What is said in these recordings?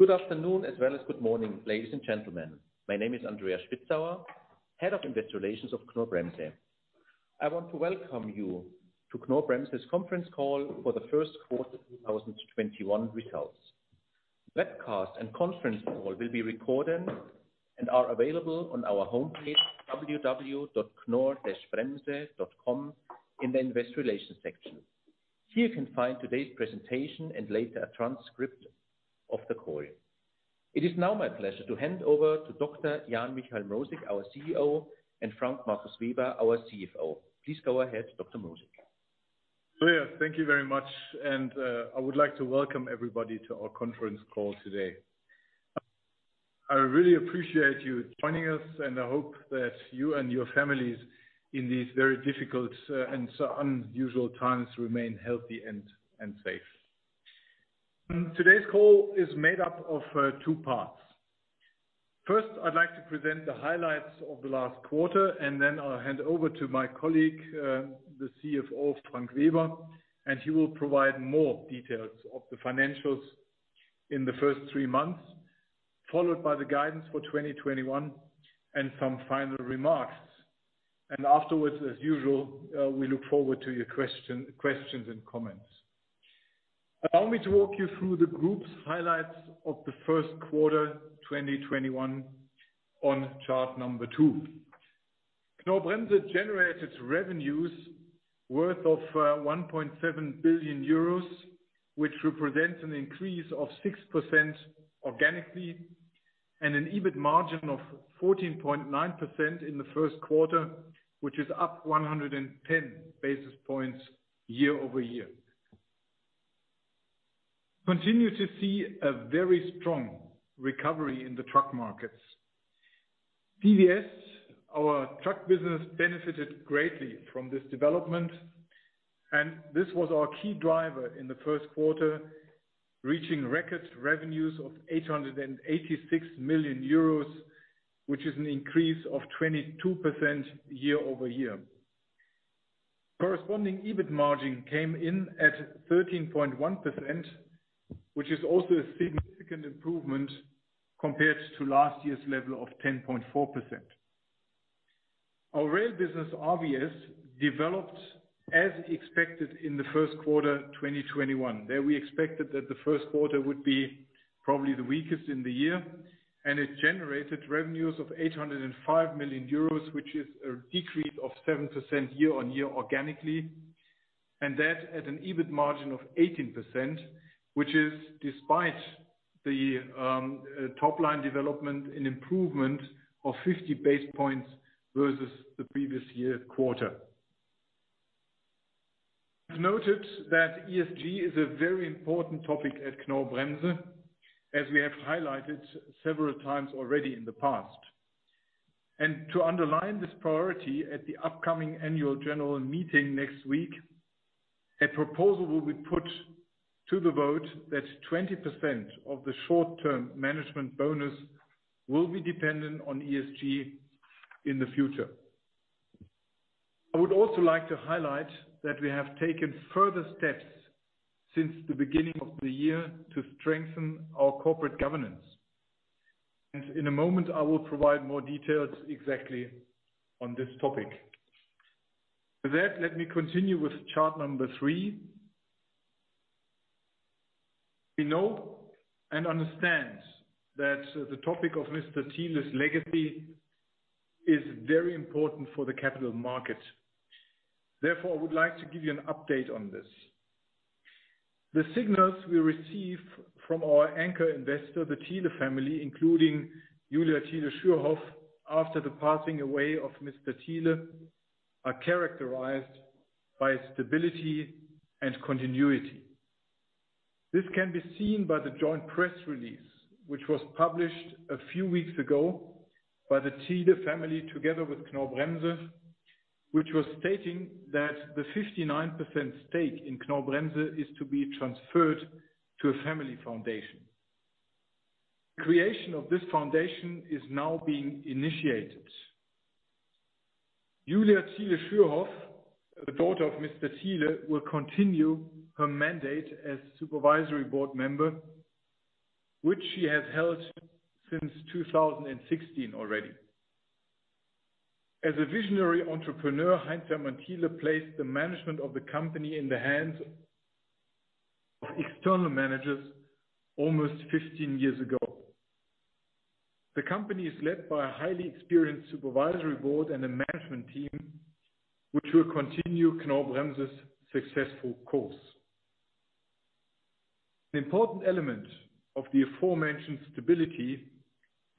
Good afternoon, as well as good morning, ladies and gentlemen. My name is Andreas Spitzauer, Head of Investor Relations of Knorr-Bremse. I want to welcome you to Knorr-Bremse's conference call for the first quarter 2021 results. Webcast and conference call will be recorded and are available on our homepage, www.knorr-bremse.com, in the Investor Relations section. Here you can find today's presentation and later a transcript of the call. It is now my pleasure to hand over to Dr. Jan Mrosik, our CEO, and Frank Markus Weber, our CFO. Please go ahead, Dr. Mrosik. Andreas, thank you very much. I would like to welcome everybody to our conference call today. I really appreciate you joining us, and I hope that you and your families, in these very difficult and unusual times, remain healthy and safe. Today's call is made up of two parts. First, I'd like to present the highlights of the last quarter. Then I'll hand over to my colleague, the CFO, Frank Weber. He will provide more details of the financials in the first three months, followed by the guidance for 2021 and some final remarks. Afterwards, as usual, we look forward to your questions and comments. Allow me to walk you through the group's highlights of the first quarter 2021 on chart number two. Knorr-Bremse generated revenues worth of €1.7 billion, which represents an increase of 6% organically and an EBIT margin of 14.9% in the first quarter, which is up 110 basis points year-over-year. We continue to see a very strong recovery in the truck markets. CVS, our truck business, benefited greatly from this development, and this was our key driver in the first quarter, reaching record revenues of €886 million, which is an increase of 22% year-over-year. Corresponding EBIT margin came in at 13.1%, which is also a significant improvement compared to last year's level of 10.4%. Our rail business, RVS, developed as expected in the first quarter 2021, that we expected that the first quarter would be probably the weakest in the year, and it generated revenues of 805 million euros, which is a decrease of 7% year-on-year organically, and that at an EBIT margin of 18%, which is, despite the top-line development, an improvement of 50 basis points versus the previous year quarter. Noted that ESG is a very important topic at Knorr-Bremse, as we have highlighted several times already in the past. To underline this priority at the upcoming Annual General Meeting next week, a proposal will be put to the vote that 20% of the short-term management bonus will be dependent on ESG in the future. I would also like to highlight that we have taken further steps since the beginning of the year to strengthen our corporate governance. In a moment, I will provide more details exactly on this topic. With that, let me continue with chart number three. We know and understand that the topic of Mr. Thiele's legacy is very important for the capital market. Therefore, I would like to give you an update on this. The signals we receive from our anchor investor, the Thiele family, including Julia Thiele-Schürhoff, after the passing away of Mr. Thiele, are characterized by stability and continuity. This can be seen by the joint press release, which was published a few weeks ago by the Thiele family together with Knorr-Bremse, which was stating that the 59% stake in Knorr-Bremse is to be transferred to a family foundation. Creation of this foundation is now being initiated. Julia Thiele-Schürhoff, the daughter of Mr. Thiele, will continue her mandate as Supervisory Board Member, which she has held since 2016 already. As a visionary entrepreneur, Heinz Hermann Thiele placed the management of the company in the hands of external managers almost 15 years ago. The company is led by a highly experienced Supervisory Board and a Management Team, which will continue Knorr-Bremse's successful course. An important element of the aforementioned stability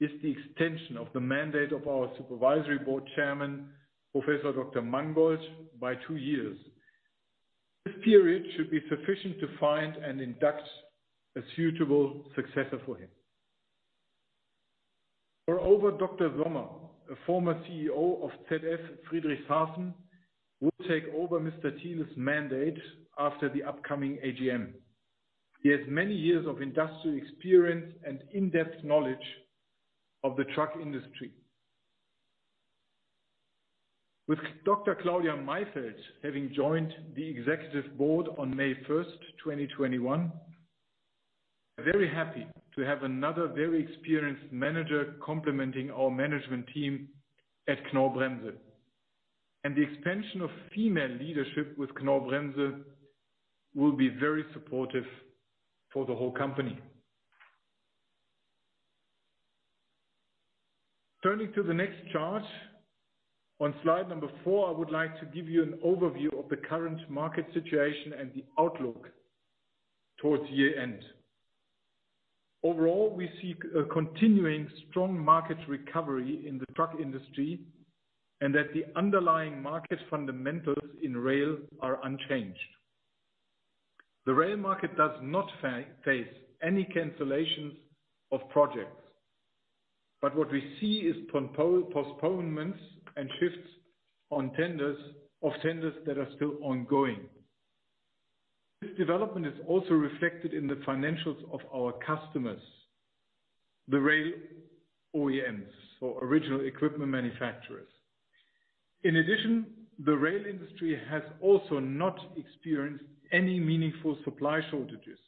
is the extension of the mandate of our Supervisory Board Chairman, Professor Dr. Mangold, by two years. This period should be sufficient to find and induct a suitable successor for him. Dr. Sommer, a former CEO of ZF Friedrichshafen, will take over Mr. Thiele's mandate after the upcoming AGM. He has many years of industrial experience and in-depth knowledge of the truck industry. With Dr. Claudia Mayfeld having joined the Executive Board on May 1st, 2021. Very happy to have another very experienced manager complementing our management team at Knorr-Bremse. The expansion of female leadership with Knorr-Bremse will be very supportive for the whole company. Turning to the next chart, on slide number four, I would like to give you an overview of the current market situation and the outlook towards year-end. Overall, we see a continuing strong market recovery in the truck industry and that the underlying market fundamentals in rail are unchanged. The rail market does not face any cancellations of projects. What we see is postponements and shifts of tenders that are still ongoing. This development is also reflected in the financials of our customers, the rail OEMs or original equipment manufacturers. In addition, the rail industry has also not experienced any meaningful supply shortages,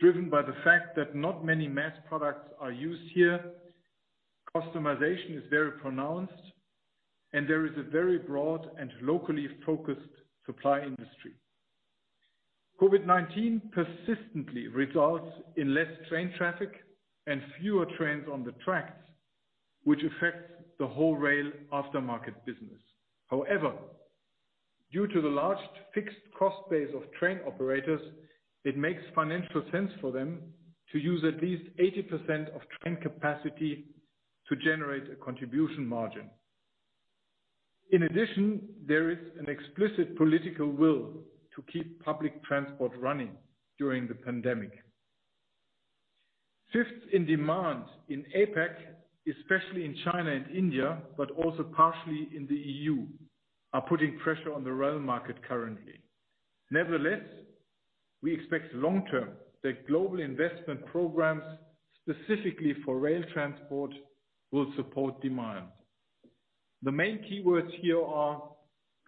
driven by the fact that not many mass products are used here, customization is very pronounced, and there is a very broad and locally focused supply industry. COVID-19 persistently results in less train traffic and fewer trains on the tracks, which affects the whole rail aftermarket business. However, due to the large fixed cost base of train operators, it makes financial sense for them to use at least 80% of train capacity to generate a contribution margin. In addition, there is an explicit political will to keep public transport running during the pandemic. Shifts in demand in APAC, especially in China and India, but also partially in the EU, are putting pressure on the rail market currently. Nevertheless, we expect long term that global investment programs specifically for rail transport will support demand. The main keywords here are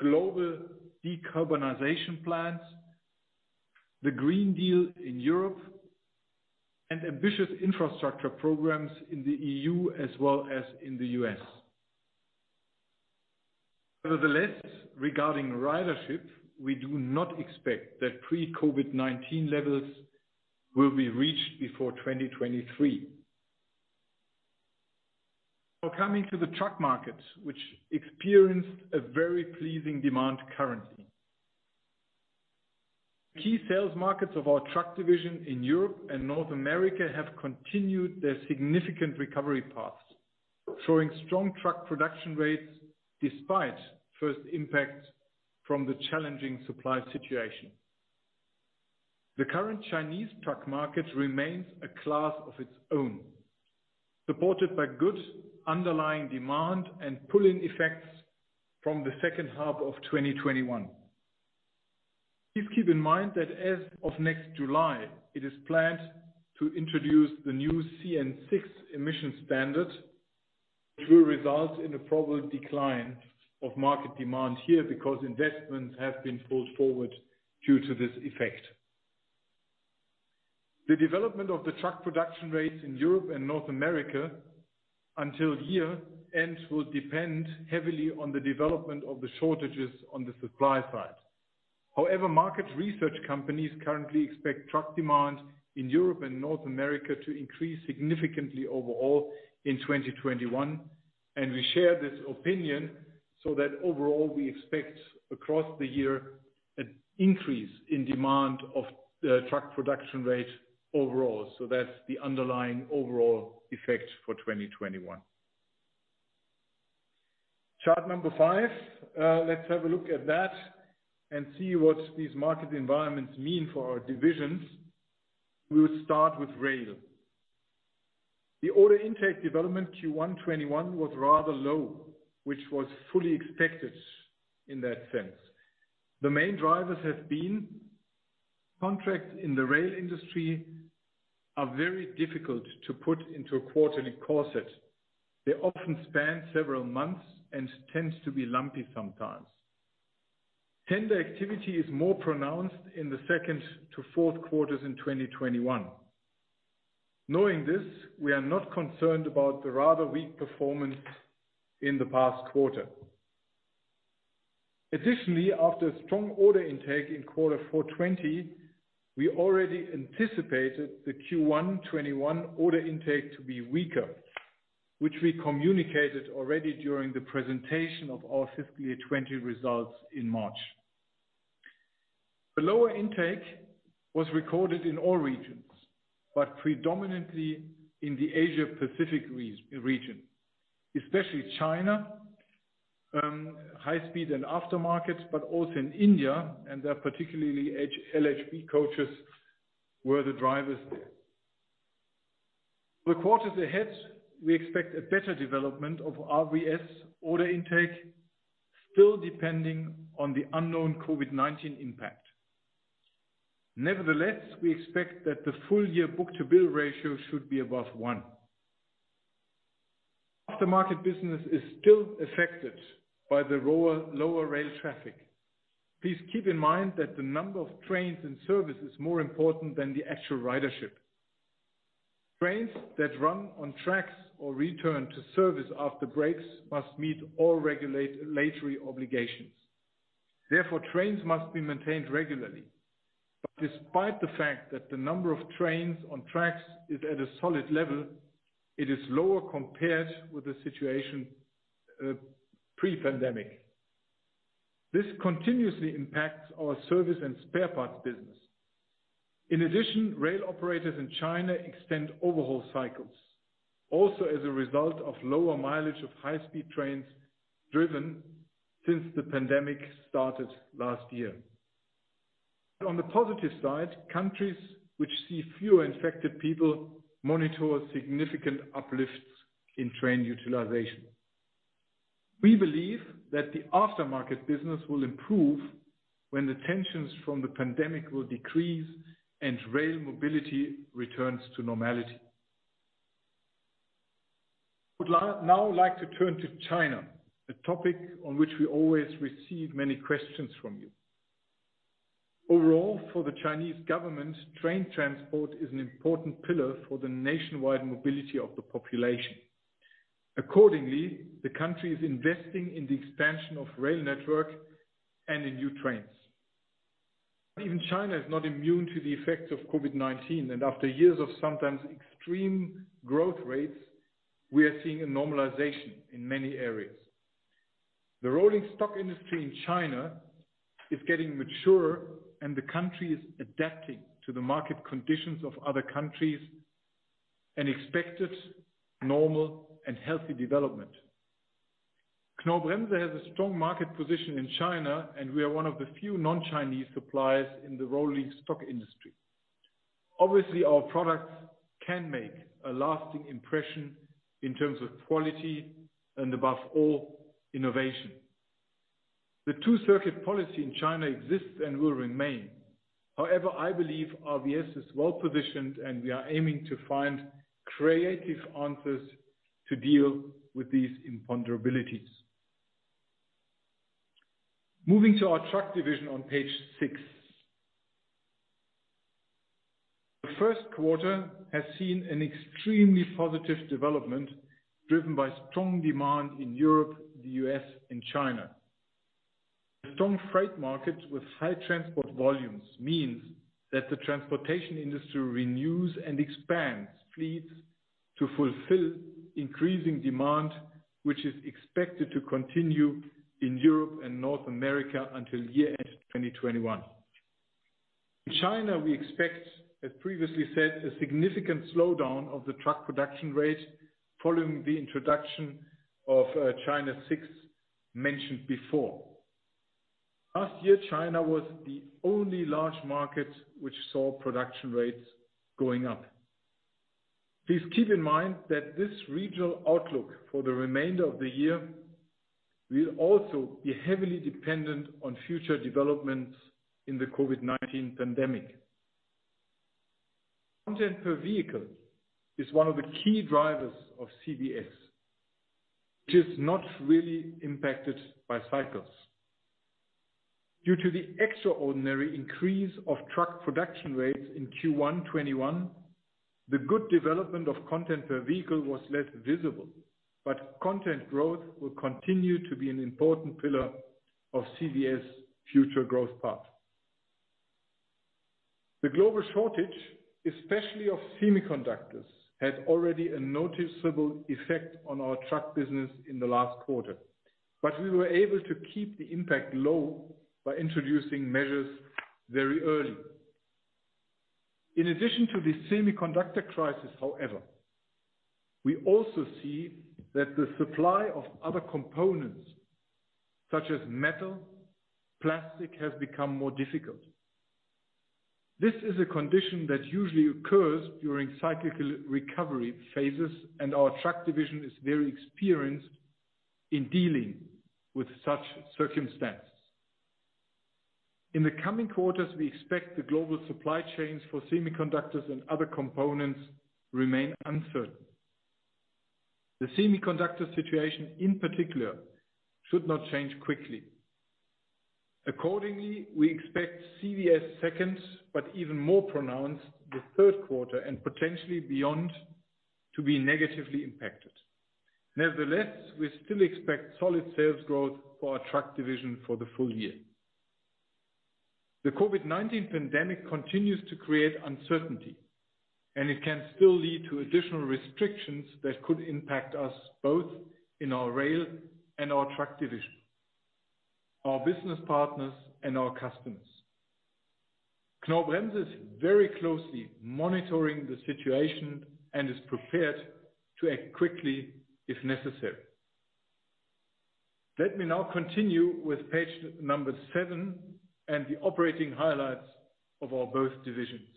global decarbonization plans, the European Green Deal in Europe, and ambitious infrastructure programs in the EU as well as in the U.S. Nevertheless, regarding ridership, we do not expect that pre-COVID-19 levels will be reached before 2023. Coming to the truck market, which experienced a very pleasing demand currently. Key sales markets of our truck division in Europe and North America have continued their significant recovery paths, showing strong truck production rates despite first impact from the challenging supply situation. The current Chinese truck market remains a class of its own, supported by good underlying demand and pull-in effects from the second half of 2021. Please keep in mind that as of next July, it is planned to introduce the new CN6 emission standard. It will result in a probable decline of market demand here because investments have been pulled forward due to this effect. Market research companies currently expect truck demand in Europe and North America to increase significantly overall in 2021, and we share this opinion so that overall we expect across the year an increase in demand of the truck production rate overall. That's the underlying overall effect for 2021. Chart number five. Let's have a look at that and see what these market environments mean for our divisions. We will start with rail. The order intake development Q121 was rather low, which was fully expected in that sense. The main drivers have been contracts in the rail industry are very difficult to put into a quarterly corset. They often span several months and tends to be lumpy sometimes. Tender activity is more pronounced in the second to fourth quarters in 2021. Knowing this, we are not concerned about the rather weak performance in the past quarter. Additionally, after strong order intake in Q4 2020, we already anticipated the Q1 2021 order intake to be weaker, which we communicated already during the presentation of our fiscal year 2020 results in March. The lower intake was recorded in all regions, but predominantly in the Asia Pacific region, especially China, high speed and aftermarkets, but also in India and there particularly LHB coaches were the drivers there. For the quarters ahead, we expect a better development of RVS order intake still depending on the unknown COVID-19 impact. Nevertheless, we expect that the full year book-to-bill ratio should be above one. Aftermarket business is still affected by the lower rail traffic. Please keep in mind that the number of trains and services more important than the actual ridership. Trains that run on tracks or return to service after breaks must meet all regulatory obligations. Therefore, trains must be maintained regularly. Despite the fact that the number of trains on tracks is at a solid level, it is lower compared with the situation pre-pandemic. This continuously impacts our service and spare parts business. In addition, rail operators in China extend overhaul cycles, also as a result of lower mileage of high-speed trains driven since the pandemic started last year. On the positive side, countries which see fewer infected people monitor significant uplifts in train utilization. We believe that the aftermarket business will improve when the tensions from the pandemic will decrease and rail mobility returns to normality. I would now like to turn to China, a topic on which we always receive many questions from you. Overall, for the Chinese government, train transport is an important pillar for the nationwide mobility of the population. Accordingly, the country is investing in the expansion of rail network and in new trains. Even China is not immune to the effects of COVID-19, and after years of sometimes extreme growth rates, we are seeing a normalization in many areas. The rolling stock industry in China is getting mature and the country is adapting to the market conditions of other countries, an expected normal and healthy development. Knorr-Bremse has a strong market position in China, and we are one of the few non-Chinese suppliers in the rolling stock industry. Obviously, our products can make a lasting impression in terms of quality and above all, innovation. The dual-circulation policy in China exists and will remain. However, I believe RVS is well-positioned and we are aiming to find creative answers to deal with these imponderabilities. Moving to our truck division on page six. The first quarter has seen an extremely positive development driven by strong demand in Europe, the U.S., and China. A strong freight market with high transport volumes means that the transportation industry renews and expands fleets to fulfill increasing demand, which is expected to continue in Europe and North America until year-end 2021. In China, we expect, as previously said, a significant slowdown of the truck production rate following the introduction of China VI, mentioned before. Last year, China was the only large market which saw production rates going up. Please keep in mind that this regional outlook for the remainder of the year will also be heavily dependent on future developments in the COVID-19 pandemic. Content per vehicle is one of the key drivers of CVS. It is not really impacted by cycles. Due to the extraordinary increase of truck production rates in Q1 2021, the good development of content per vehicle was less visible, but content growth will continue to be an important pillar of CVS' future growth path. The global shortage, especially of semiconductors, had already a noticeable effect on our truck business in the last quarter, but we were able to keep the impact low by introducing measures very early. In addition to the semiconductor crisis, however, we also see that the supply of other components such as metal, plastic has become more difficult. This is a condition that usually occurs during cyclical recovery phases, and our truck division is very experienced in dealing with such circumstance. In the coming quarters, we expect the global supply chains for semiconductors and other components to remain uncertain. The semiconductor situation, in particular, should not change quickly. Accordingly, we expect CVS second, but even more pronounced the third quarter and potentially beyond, to be negatively impacted. Nevertheless, we still expect solid sales growth for our truck division for the full year. The COVID-19 pandemic continues to create uncertainty, and it can still lead to additional restrictions that could impact us both in our rail and our truck division, our business partners and our customers. Knorr-Bremse is very closely monitoring the situation and is prepared to act quickly if necessary. Let me now continue with page number seven and the operating highlights of our both divisions.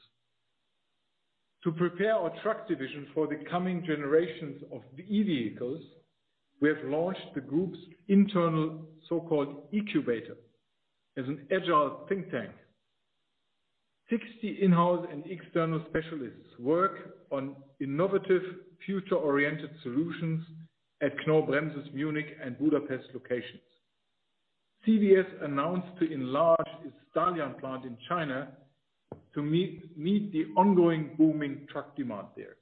To prepare our truck division for the coming generations of the e-vehicles, we have launched the group's internal so-called eCUBATOR as an agile think tank. 60 in-house and external specialists work on innovative future-oriented solutions at Knorr-Bremse's Munich and Budapest locations. CVS announced to enlarge its Dalian plant in China to meet the ongoing booming truck demand there.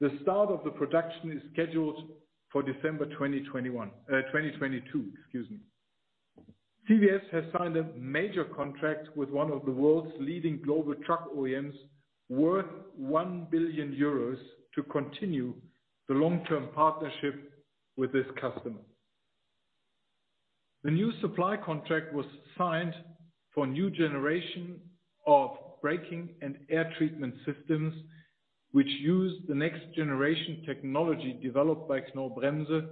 The start of the production is scheduled for December 2022. CVS has signed a major contract with one of the world's leading global truck OEMs worth 1 billion euros to continue the long-term partnership with this customer. The new supply contract was signed for a new generation of braking and air treatment systems, which use the next generation technology developed by Knorr-Bremse,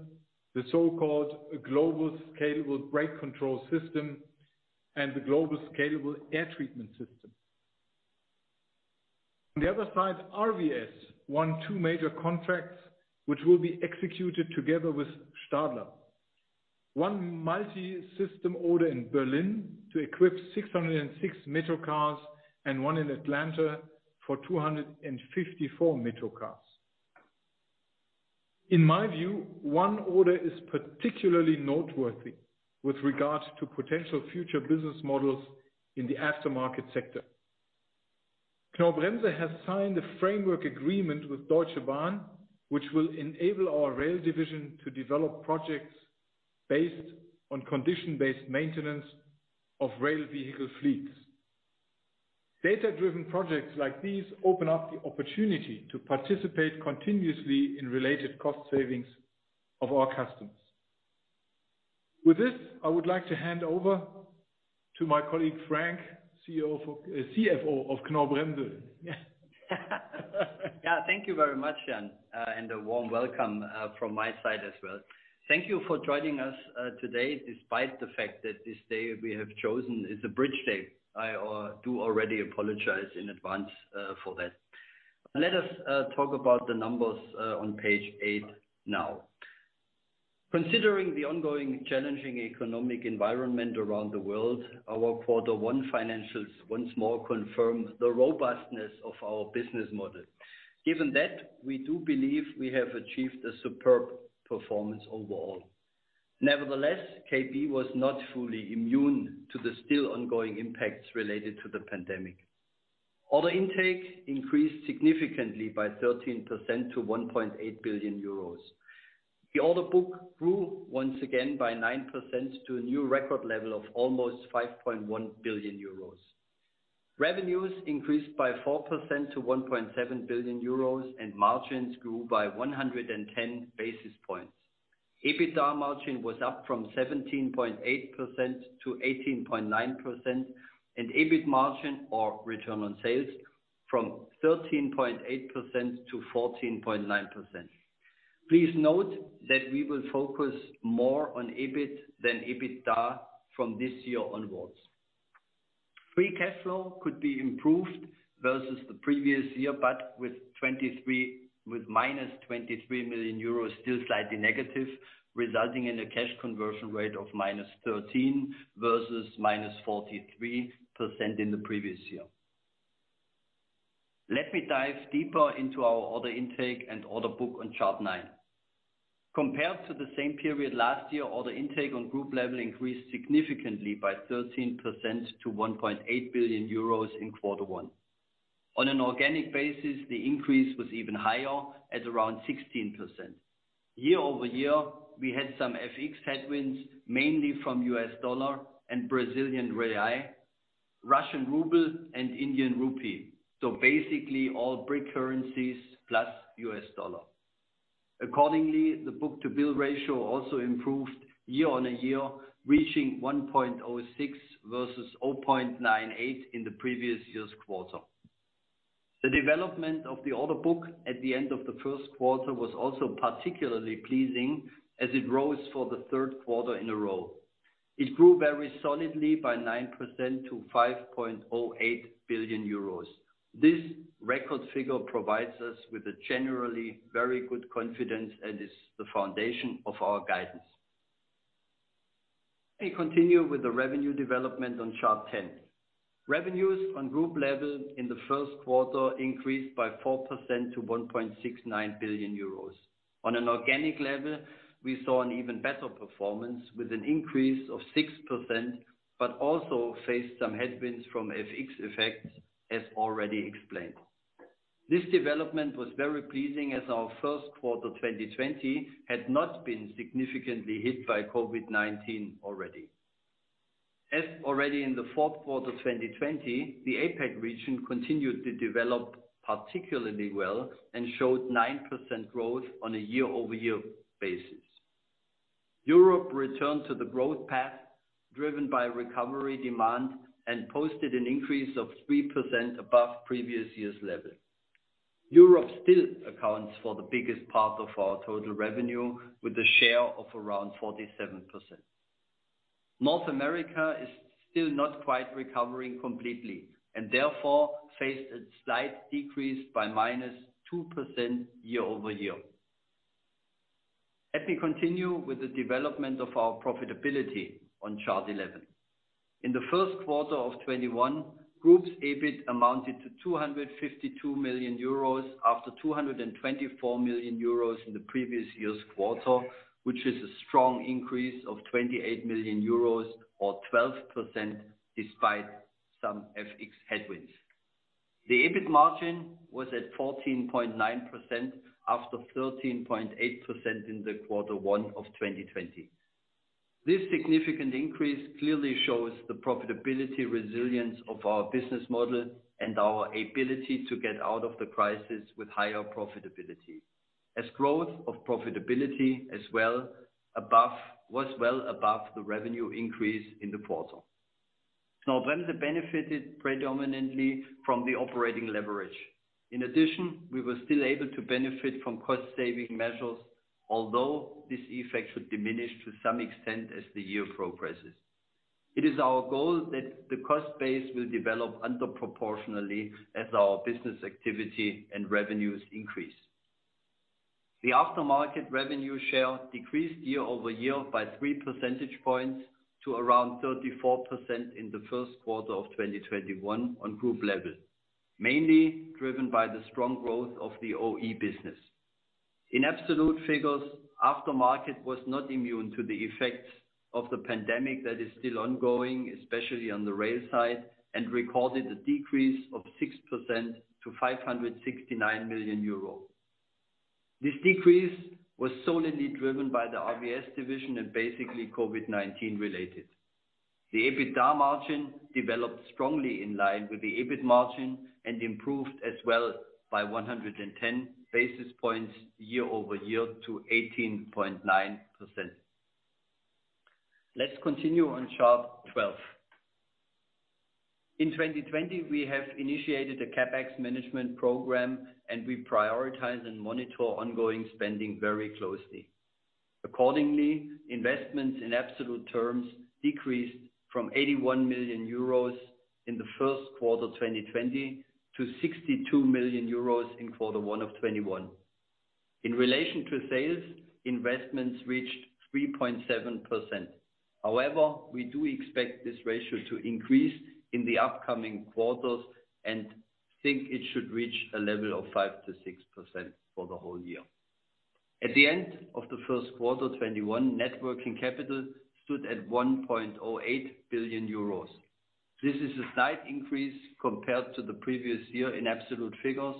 the so-called Global Scalable Brake Control system and the Global Scalable Air Treatment system. On the other side, RVS won two major contracts, which will be executed together with Stadler. One multi-system order in Berlin to equip 606 metro cars and one in Atlanta for 254 metro cars. In my view, one order is particularly noteworthy with regard to potential future business models in the aftermarket sector. Knorr-Bremse has signed a framework agreement with Deutsche Bahn, which will enable our rail division to develop projects based on condition-based maintenance of rail vehicle fleets. Data-driven projects like these open up the opportunity to participate continuously in related cost savings of our customers. With this, I would like to hand over to my colleague, Frank, CFO of Knorr-Bremse. Yeah. Thank you very much, Jan, and a warm welcome from my side as well. Thank you for joining us today, despite the fact that this day we have chosen is a bridge day. I do already apologize in advance for that. Let us talk about the numbers on page eight now. Considering the ongoing challenging economic environment around the world, our quarter one financials once more confirm the robustness of our business model. Given that, we do believe we have achieved a superb performance overall. Nevertheless, KB was not fully immune to the still ongoing impacts related to the pandemic. Order intake increased significantly by 13% to 1.8 billion euros. The order book grew once again by 9% to a new record level of almost 5.1 billion euros. Revenues increased by 4% to 1.7 billion euros and margins grew by 110 basis points. EBITDA margin was up from 17.8% to 18.9%, and EBIT margin or return on sales from 13.8% to 14.9%. Please note that we will focus more on EBIT than EBITDA from this year onwards. Free cash flow could be improved versus the previous year, but with minus 23 million euros still slightly negative, resulting in a cash conversion rate of -13 versus -14% in the previous year. Let me dive deeper into our order intake and order book on chart nine. Compared to the same period last year, order intake on group level increased significantly by 13% to 1.8 billion euros in quarter one. On an organic basis, the increase was even higher at around 16%. Year-over-year, we had some FX headwinds, mainly from US dollar and Brazilian real, Russian ruble, and Indian rupee. Basically all BRIC currencies plus US dollar. Accordingly, the book-to-bill ratio also improved year-over-year, reaching 1.06 versus 0.98 in the previous year's quarter. The development of the order book at the end of the first quarter was also particularly pleasing as it rose for the third quarter in a row. It grew very solidly by 9% to 5.08 billion euros. This record figure provides us with a generally very good confidence and is the foundation of our guidance. Let me continue with the revenue development on chart 10. Revenues on group level in the first quarter increased by 4% to 1.69 billion euros. On an organic level, we saw an even better performance with an increase of 6%, also faced some headwinds from FX effects as already explained. This development was very pleasing as our first quarter 2020 had not been significantly hit by COVID-19 already. As already in the fourth quarter 2020, the APAC region continued to develop particularly well and showed 9% growth on a year-over-year basis. Europe returned to the growth path driven by recovery demand and posted an increase of 3% above previous year's level. Europe still accounts for the biggest part of our total revenue with a share of around 47%. North America is still not quite recovering completely and therefore faced a slight decrease by minus 2% year-over-year. Let me continue with the development of our profitability on chart 11. In the first quarter of 2021, Group's EBIT amounted to 252 million euros after 224 million euros in the previous year's quarter, which is a strong increase of 28 million euros or 12% despite some FX headwinds. The EBIT margin was at 14.9% after 13.8% in the quarter one of 2020. This significant increase clearly shows the profitability resilience of our business model and our ability to get out of the crisis with higher profitability. Growth of profitability as well was well above the revenue increase in the quarter. Knorr-Bremse benefited predominantly from the operating leverage. In addition, we were still able to benefit from cost-saving measures, although this effect should diminish to some extent as the year progresses. It is our goal that the cost base will develop under proportionally as our business activity and revenues increase. The aftermarket revenue share decreased year-over-year by three percentage points to around 34% in the first quarter of 2021 on group level, mainly driven by the strong growth of the OE business. In absolute figures, aftermarket was not immune to the effects of the pandemic that is still ongoing, especially on the rail side, and recorded a decrease of 6% to 569 million euro. This decrease was solidly driven by the RVS division and basically COVID-19 related. The EBITDA margin developed strongly in line with the EBIT margin and improved as well by 110 basis points year-over-year to 18.9%. Let's continue on chart 12. In 2020, we have initiated a CapEx management program, and we prioritize and monitor ongoing spending very closely. Accordingly, investments in absolute terms decreased from 81 million euros in the first quarter 2020 to 62 million euros in quarter one of 2021. In relation to sales, investments reached 3.7%. However, we do expect this ratio to increase in the upcoming quarters and think it should reach a level of 5%-6% for the whole year. At the end of the first quarter 2021, net working capital stood at 1.08 billion euros. This is a slight increase compared to the previous year in absolute figures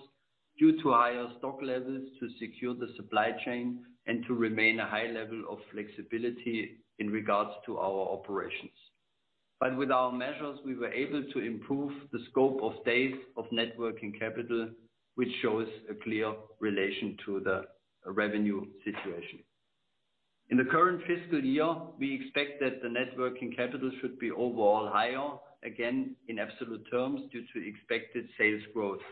due to higher stock levels to secure the supply chain and to remain a high level of flexibility in regards to our operations. With our measures, we were able to improve the scope of days of net working capital, which shows a clear relation to the revenue situation. In the current fiscal year, we expect that the net working capital should be overall higher, again, in absolute terms, due to expected sales growth.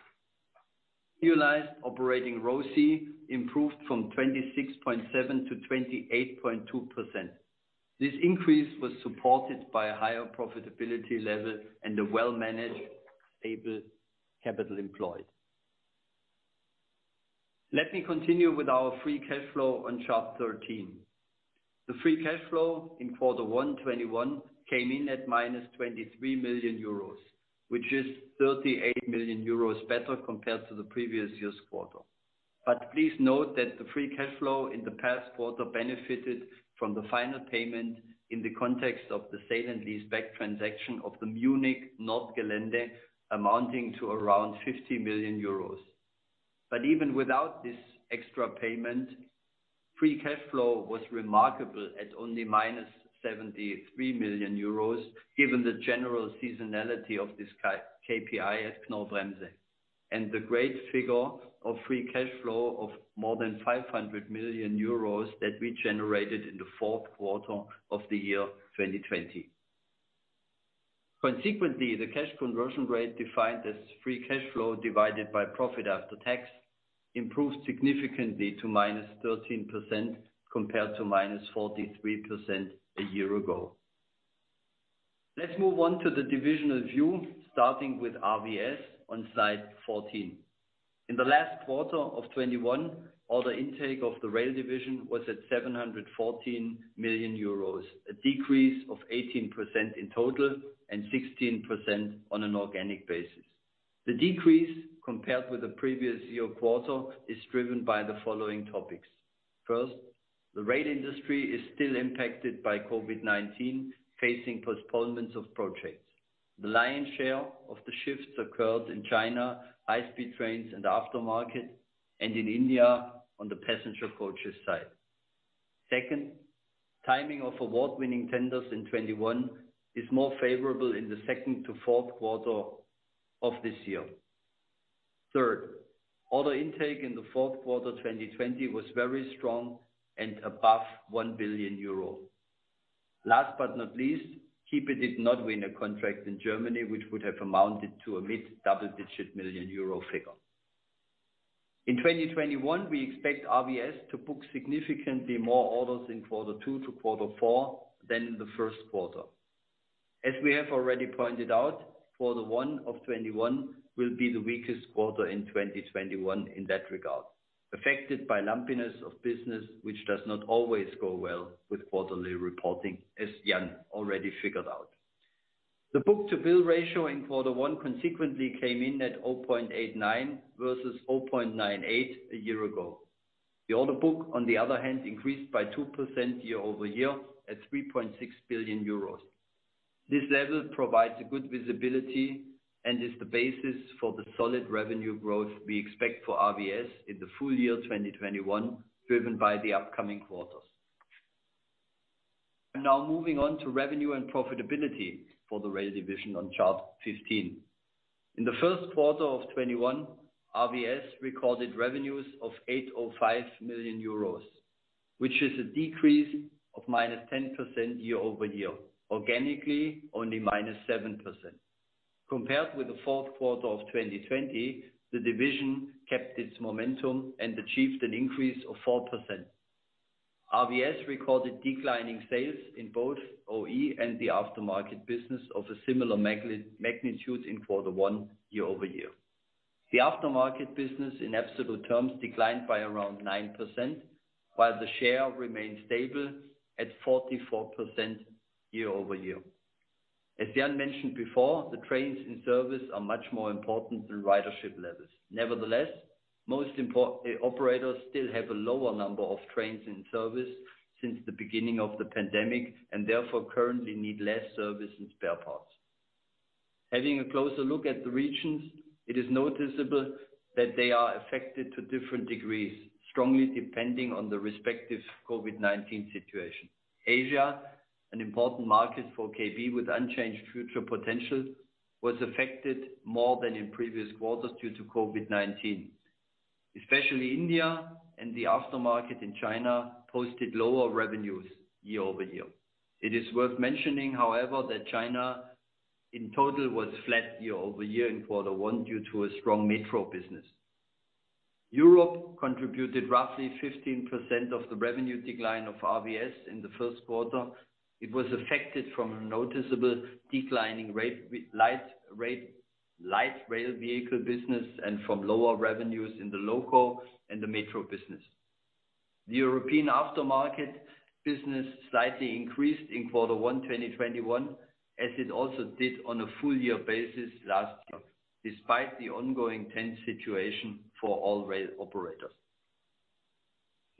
Utilized operating ROCE improved from 26.7%-28.2%. This increase was supported by a higher profitability level and a well-managed stable capital employed. Let me continue with our free cash flow on chart 13. The free cash flow in quarter one 2021 came in at minus 23 million euros, which is 38 million euros better compared to the previous year's quarter. Please note that the free cash flow in the past quarter benefited from the final payment in the context of the sale and leaseback transaction of the Munich Nordgelände amounting to around 50 million euros. Even without this extra payment, free cash flow was remarkable at only minus 73 million euros, given the general seasonality of this KPI at Knorr-Bremse and the great figure of free cash flow of more than 500 million euros that we generated in the fourth quarter of the year 2020. Consequently, the cash conversion rate defined as free cash flow divided by profit after tax improved significantly to minus 13% compared to minus 43% a year ago. Let's move on to the divisional view, starting with RVS on slide 14. In the last quarter of 2021, order intake of the rail division was at 714 million euros, a decrease of 18% in total and 16% on an organic basis. The decrease compared with the previous year quarter is driven by the following topics. First, the rail industry is still impacted by COVID-19, facing postponements of projects. The lion's share of the shifts occurred in China, high-speed trains, and aftermarket, and in India on the passenger coaches side. Second, timing of award-winning tenders in 2021 is more favorable in the second to fourth quarter of this year. Third, order intake in the fourth quarter 2020 was very strong and above 1 billion euro. Last but not least, Kiepe did not win a contract in Germany, which would have amounted to a mid double-digit million EUR figure. In 2021, we expect RVS to book significantly more orders in quarter two to quarter four than in the first quarter. As we have already pointed out, quarter one of 2021 will be the weakest quarter in 2021 in that regard, affected by lumpiness of business, which does not always go well with quarterly reporting, as Jan already figured out. The book-to-bill ratio in quarter one consequently came in at 0.89 versus 0.98 a year ago. The order book, on the other hand, increased by 2% year-over-year at 3.6 billion euros. This level provides a good visibility and is the basis for the solid revenue growth we expect for RVS in the full year 2021, driven by the upcoming quarters. Moving on to revenue and profitability for the rail division on chart 15. In the first quarter of 2021, RVS recorded revenues of 805 million euros, which is a decrease of -10% year-over-year. Organically, only -7%. Compared with the fourth quarter of 2020, the division kept its momentum and achieved an increase of 4%. RVS recorded declining sales in both OE and the aftermarket business of a similar magnitude in quarter one year-over-year. The aftermarket business, in absolute terms, declined by around 9%, while the share remained stable at 44% year-over-year. As Jan mentioned before, the trains in service are much more important than ridership levels. Nevertheless, most operators still have a lower number of trains in service since the beginning of the pandemic and therefore currently need less service and spare parts. Having a closer look at the regions, it is noticeable that they are affected to different degrees, strongly depending on the respective COVID-19 situation. Asia, an important market for KB with unchanged future potential, was affected more than in previous quarters due to COVID-19. Especially India and the aftermarket in China posted lower revenues year-over-year. It is worth mentioning, however, that China in total was flat year-over-year in quarter one due to a strong metro business. Europe contributed roughly 15% of the revenue decline of RVS in the first quarter. It was affected from a noticeable declining light rail vehicle business and from lower revenues in the local and the metro business. The European aftermarket business slightly increased in quarter one 2021, as it also did on a full year basis last year, despite the ongoing tense situation for all rail operators.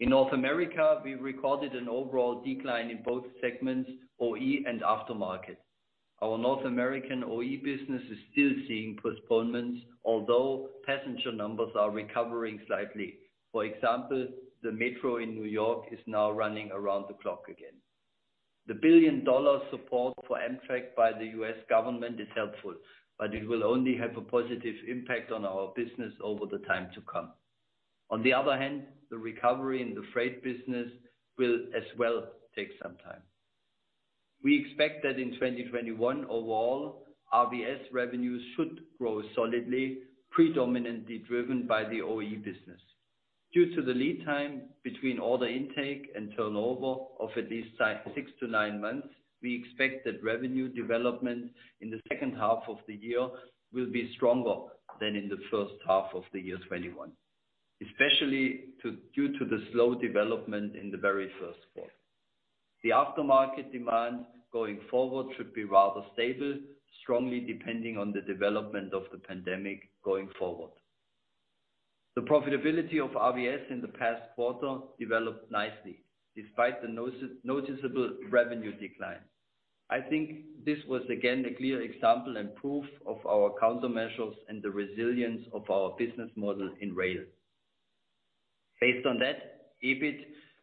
In North America, we recorded an overall decline in both segments, OE and aftermarket. Our North American OE business is still seeing postponements, although passenger numbers are recovering slightly. For example, the metro in New York is now running around the clock again. The EUR 1 billion support for Amtrak by the U.S. government is helpful, but it will only have a positive impact on our business over the time to come. On the other hand, the recovery in the freight business will as well take some time. We expect that in 2021 overall, RVS revenues should grow solidly, predominantly driven by the OE business. Due to the lead time between order intake and turnover of at least six to nine months, we expect that revenue development in the second half of the year will be stronger than in the first half of the year 2021. Especially due to the slow development in the very first quarter. The aftermarket demand going forward should be rather stable, strongly depending on the development of the pandemic going forward. The profitability of RVS in the past quarter developed nicely despite the noticeable revenue decline. I think this was again a clear example and proof of our countermeasures and the resilience of our business model in rail. Based on that, EBIT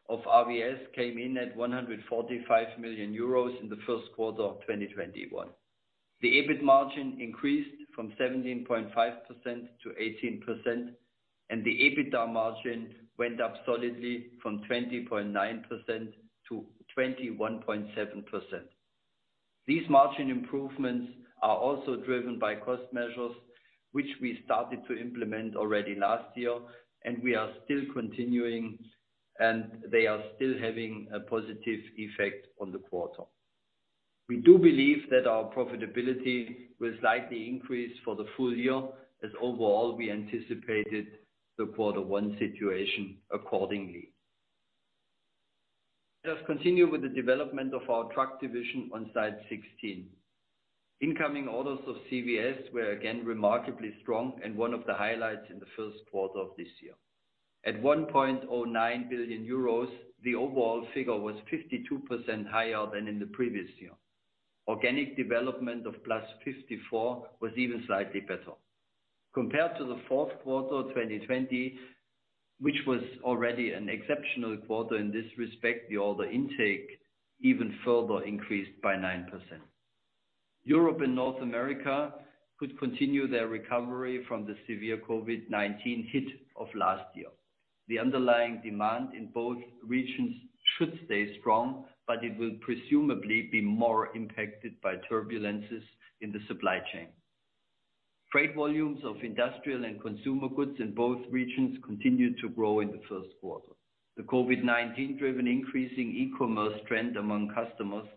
of RVS came in at €145 million in the first quarter of 2021. The EBIT margin increased from 17.5% to 18%, and the EBITDA margin went up solidly from 20.9% to 21.7%. These margin improvements are also driven by cost measures, which we started to implement already last year, and we are still continuing, and they are still having a positive effect on the quarter. We do believe that our profitability will slightly increase for the full year, as overall, we anticipated the quarter one situation accordingly. Let us continue with the development of our truck division on slide 16. Incoming orders of CVS were again remarkably strong and one of the highlights in the first quarter of this year. At 1.09 billion euros, the overall figure was 52% higher than in the previous year. Organic development of plus 54 was even slightly better. Compared to the fourth quarter of 2020, which was already an exceptional quarter in this respect, the order intake even further increased by 9%. Europe and North America could continue their recovery from the severe COVID-19 hit of last year. The underlying demand in both regions should stay strong, it will presumably be more impacted by turbulences in the supply chain. Freight volumes of industrial and consumer goods in both regions continued to grow in the first quarter. The COVID-19 driven increasing e-commerce trend among customers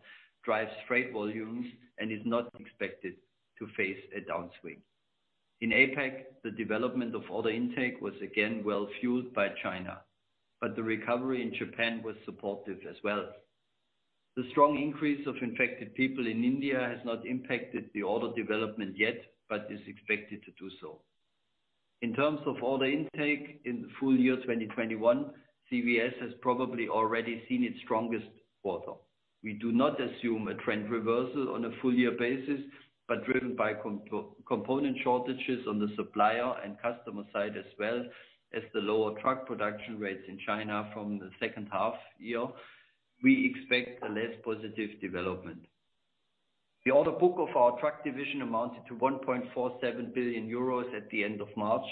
drives freight volumes and is not expected to face a downswing. In APAC, the development of order intake was again well fueled by China, but the recovery in Japan was supportive as well. The strong increase of infected people in India has not impacted the order development yet, but is expected to do so. In terms of order intake in full year 2021, CVS has probably already seen its strongest quarter. We do not assume a trend reversal on a full year basis, but driven by component shortages on the supplier and customer side, as well as the lower truck production rates in China from the second half year, we expect a less positive development. The order book of our truck division amounted to 1.47 billion euros at the end of March,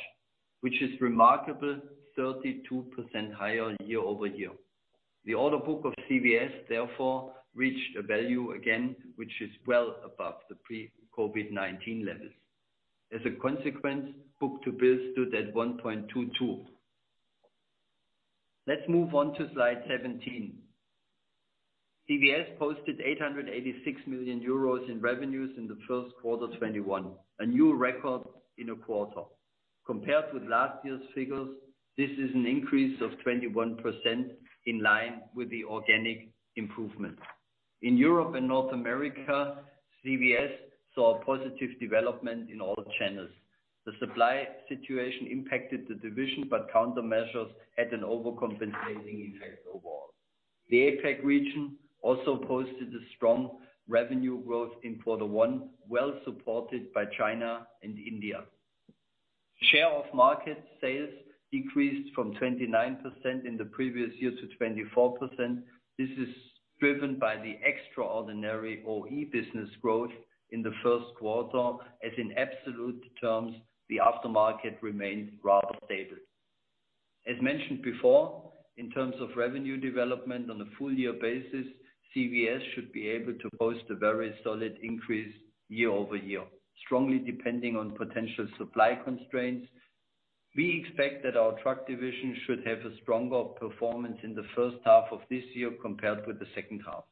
which is remarkable 32% higher year-over-year. The order book of CVS reached a value again, which is well above the pre-COVID-19 levels. Book-to-bill stood at 1.22. Let's move on to slide 17. CVS posted 886 million euros in revenues in the first quarter 2021, a new record in a quarter. Compared with last year's figures, this is an increase of 21% in line with the organic improvement. In Europe and North America, CVS saw a positive development in all channels. The supply situation impacted the division. Countermeasures had an overcompensating effect overall. The APAC region also posted a strong revenue growth in quarter one, well supported by China and India. Share of market sales decreased from 29% in the previous year to 24%. This is driven by the extraordinary OE business growth in the first quarter as in absolute terms, the aftermarket remains rather stable. As mentioned before, in terms of revenue development on a full year basis, CVS should be able to post a very solid increase year-over-year, strongly depending on potential supply constraints. We expect that our truck division should have a stronger performance in the first half of this year compared with the second half.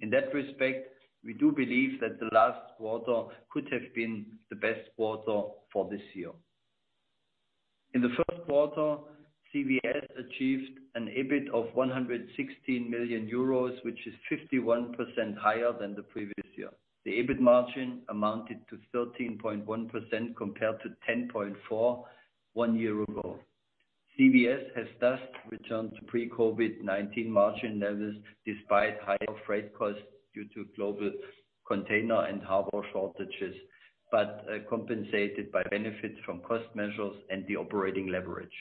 In that respect, we do believe that the last quarter could have been the best quarter for this year. In the first quarter, CVS achieved an EBIT of 116 million euros, which is 51% higher than the previous year. The EBIT margin amounted to 13.1% compared to 10.4% one year ago. CVS has thus returned to pre-COVID-19 margin levels despite higher freight costs due to global container and harbor shortages, but compensated by benefits from cost measures and the operating leverage.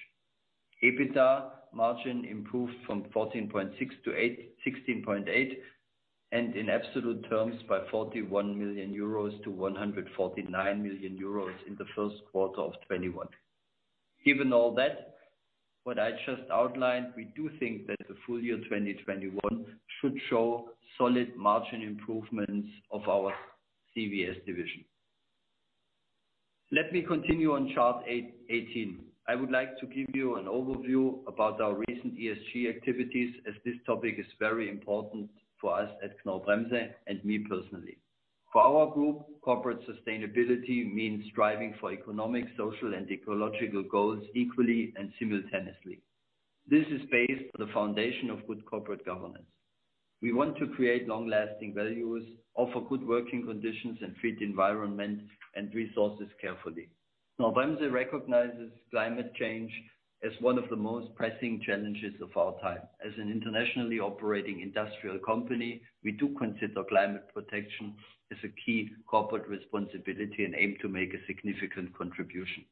EBITDA margin improved from 14.6% to 16.8%, and in absolute terms by 41 million euros to 149 million euros in the first quarter of 2021. Given all that, what I just outlined, we do think that the full year 2021 should show solid margin improvements of our CVS division. Let me continue on chart 18. I would like to give you an overview about our recent ESG activities as this topic is very important for us at Knorr-Bremse and me personally. For our group, corporate sustainability means striving for economic, social, and ecological goals equally and simultaneously. This is based on the foundation of good corporate governance. We want to create long-lasting values, offer good working conditions, and treat the environment and resources carefully. Knorr-Bremse recognizes climate change as one of the most pressing challenges of our time. As an internationally operating industrial company, we do consider climate protection as a key corporate responsibility and aim to make a significant contribution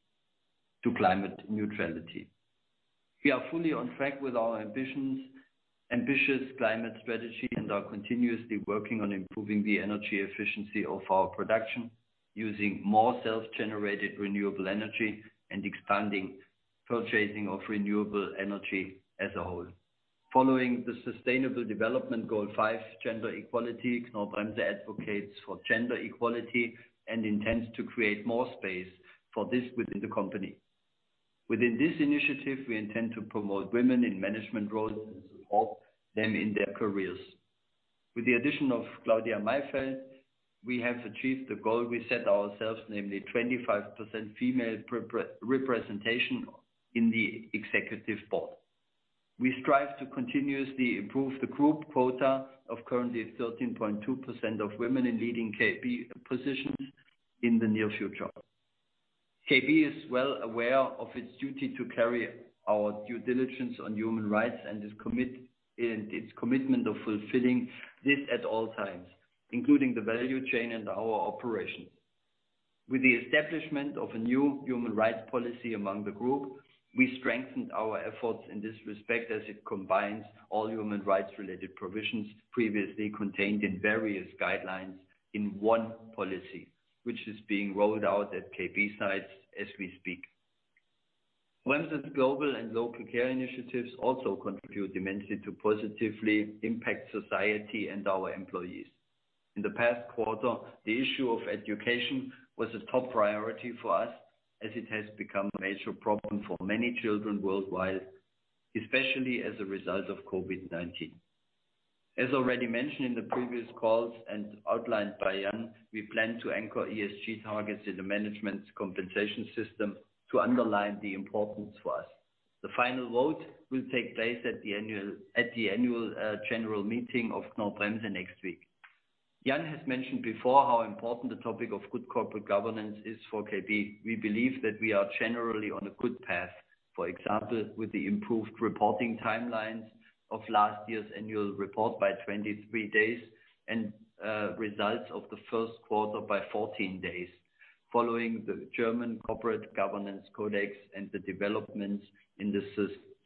to climate neutrality. We are fully on track with our ambitious climate strategy and are continuously working on improving the energy efficiency of our production using more self-generated renewable energy and expanding purchasing of renewable energy as a whole. Following the Sustainable Development Goal five, Gender Equality, Knorr-Bremse advocates for gender equality and intends to create more space for this within the company. Within this initiative, we intend to promote women in management roles and support them in their careers. With the addition of Claudia Mayfeld, we have achieved the goal we set ourselves, namely 25% female representation in the executive board. We strive to continuously improve the group quota of currently 13.2% of women in leading KB positions in the near future. KB is well aware of its duty to carry our due diligence on human rights and its commitment of fulfilling this at all times, including the value chain and our operation. With the establishment of a new human rights policy among the group, we strengthened our efforts in this respect as it combines all human rights related provisions previously contained in various guidelines in one policy, which is being rolled out at KB sites as we speak. Knorr-Bremse global and local care initiatives also contribute immensely to positively impact society and our employees. In the past quarter, the issue of education was a top priority for us as it has become a major problem for many children worldwide, especially as a result of COVID-19. As already mentioned in the previous calls and outlined by Jan, we plan to anchor ESG targets in the management's compensation system to underline the importance for us. The final vote will take place at the annual general meeting of Knorr-Bremse next week. Jan has mentioned before how important the topic of good corporate governance is for KB. We believe that we are generally on a good path. For example, with the improved reporting timelines of last year's annual report by 23 days, and results of the first quarter by 14 days following the German Corporate Governance Code and the developments in the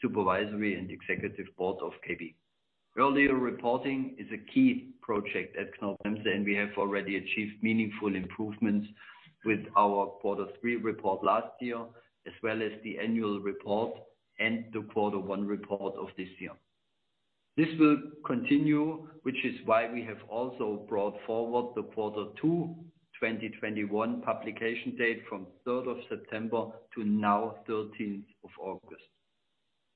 supervisory and executive board of KB. Earlier reporting is a key project at Knorr-Bremse, and we have already achieved meaningful improvements with our quarter three report last year, as well as the annual report and the quarter one report of this year. This will continue, which is why we have also brought forward the quarter two 2021 publication date from 3rd of September to now 13th of August.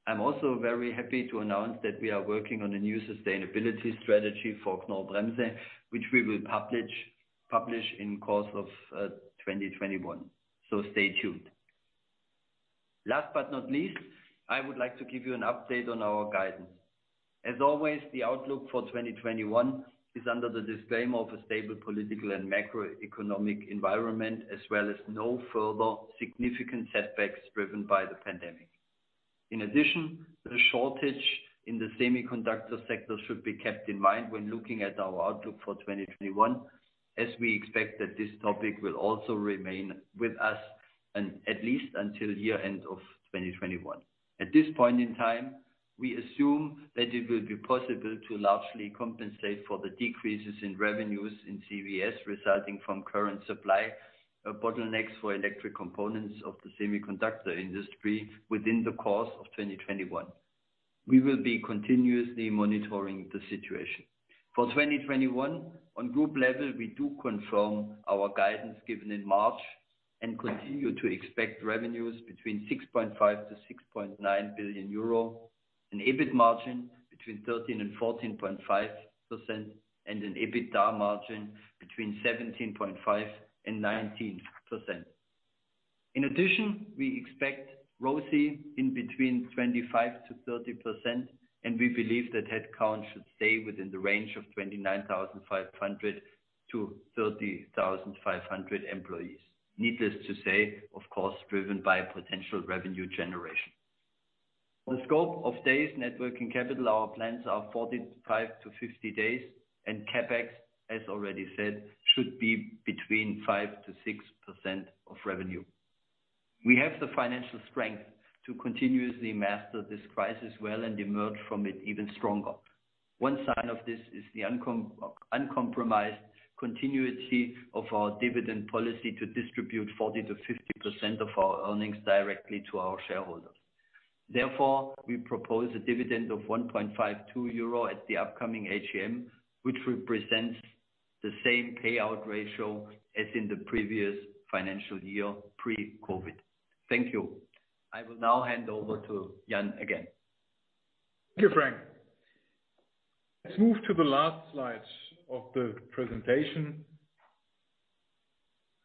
I'm also very happy to announce that we are working on a new sustainability strategy for Knorr-Bremse, which we will publish in course of 2021. Stay tuned. Last but not least, I would like to give you an update on our guidance. As always, the outlook for 2021 is under the disclaimer of a stable political and macroeconomic environment, as well as no further significant setbacks driven by the pandemic. In addition, the shortage in the semiconductor sector should be kept in mind when looking at our outlook for 2021, as we expect that this topic will also remain with us at least until year end of 2021. At this point in time, we assume that it will be possible to largely compensate for the decreases in revenues in CVS resulting from current supply bottlenecks for electric components of the semiconductor industry within the course of 2021. We will be continuously monitoring the situation. For 2021, on group level, we do confirm our guidance given in March and continue to expect revenues between 6.5 billion-6.9 billion euro, an EBIT margin between 13%-14.5%, and an EBITDA margin between 17.5%-19%. In addition, we expect ROCE in between 25%-30%, and we believe that headcount should stay within the range of 29,500-30,500 employees. Needless to say, of course, driven by potential revenue generation. The scope of days net working capital, our plans are 45-50 days, and CapEx, as already said, should be between 5%-6% of revenue. We have the financial strength to continuously master this crisis well and emerge from it even stronger. One sign of this is the uncompromised continuity of our dividend policy to distribute 40%-50% of our earnings directly to our shareholders. Therefore, we propose a dividend of €1.52 at the upcoming AGM, which represents the same payout ratio as in the previous financial year pre-COVID. Thank you. I will now hand over to Jan again. Thank you, Frank. Let's move to the last slide of the presentation.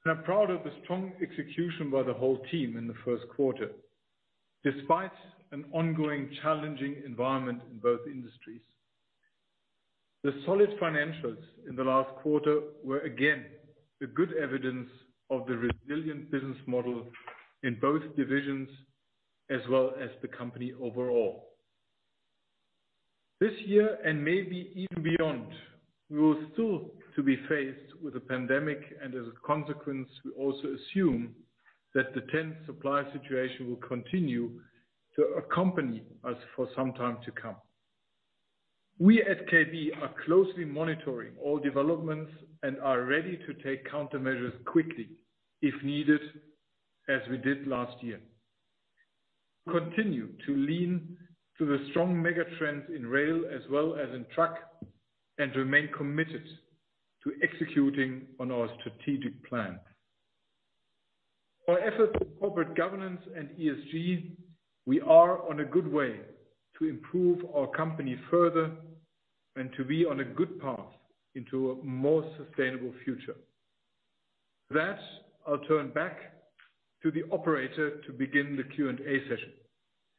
I'm proud of the strong execution by the whole team in the first quarter, despite an ongoing challenging environment in both industries. The solid financials in the last quarter were again, the good evidence of the resilient business model in both divisions as well as the company overall. This year, and maybe even beyond, we will still to be faced with a pandemic. As a consequence, we also assume that the tense supply situation will continue to accompany us for some time to come. We at KB are closely monitoring all developments and are ready to take countermeasures quickly if needed, as we did last year. Continue to lean to the strong mega trends in rail as well as in truck, and remain committed to executing on our strategic plan. Our efforts with corporate governance and ESG, we are on a good way to improve our company further and to be on a good path into a more sustainable future. With that, I'll turn back to the operator to begin the Q&A session.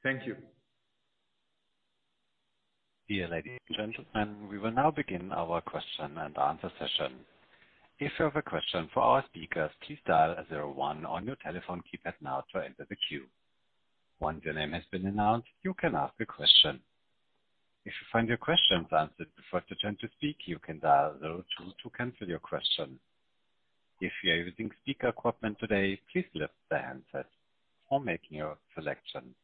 Thank you. Dear ladies and gentlemen, we will now begin our question and answer session. If you have a question for our speaker please dial zero one on your telephone keypad now to join the queue. Once your name is been announced you can ask your question. If you find your question answered before your turn to speak, you can dial zero two to cancel your question. If you are using speaker equipment today please lift the handset or make your selection.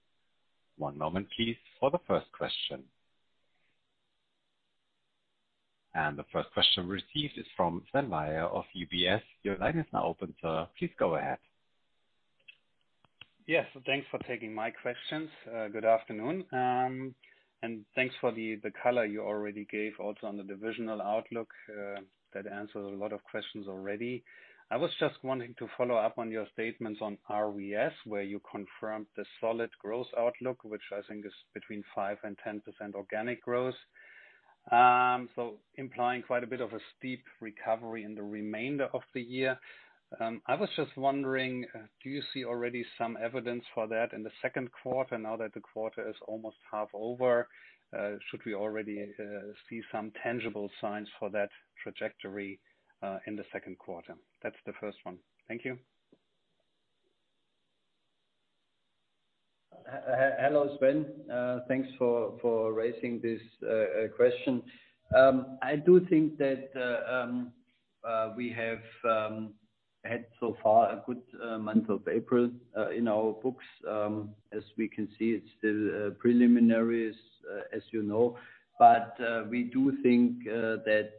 One moment please for the first question. The first question received is from Sven Weier of UBS. Your line is now open, sir. Please go ahead. Yes. Thanks for taking my questions. Good afternoon, and thanks for the color you already gave also on the divisional outlook. That answers a lot of questions already. I was just wanting to follow up on your statements on RVS, where you confirmed the solid growth outlook, which I think is between 5% and 10% organic growth. Implying quite a bit of a steep recovery in the remainder of the year. I was just wondering, do you see already some evidence for that in the second quarter now that the quarter is almost half over? Should we already see some tangible signs for that trajectory, in the second quarter? That's the first one. Thank you. Hello, Sven. Thanks for raising this question. I do think that we have had so far a good month of April, in our books. As we can see it's still preliminaries, as you know. We do think that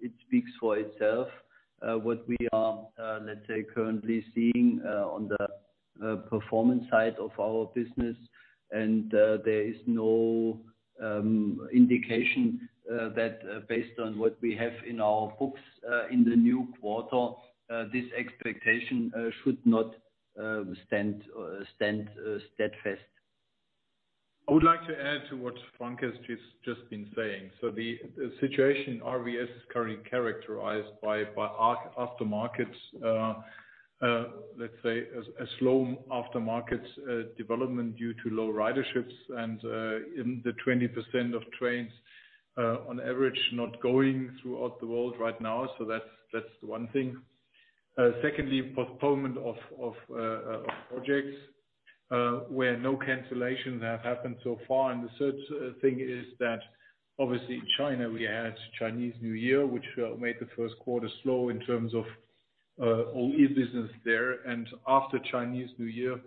it speaks for itself, what we are let's say, currently seeing on the performance side of our business. There is no indication that based on what we have in our books, in the new quarter, this expectation should not stand steadfast. I would like to add to what Frank has just been saying. The situation RVS is currently characterized by aftermarkets, let's say a slow aftermarkets development due to low riderships and in the 20% of trains, on average, not going throughout the world right now. Secondly, postponement of projects, where no cancellations have happened so far. The third thing is that obviously China, we had Chinese New Year, which made the first quarter slow in terms of OE business there. After Chinese New Year,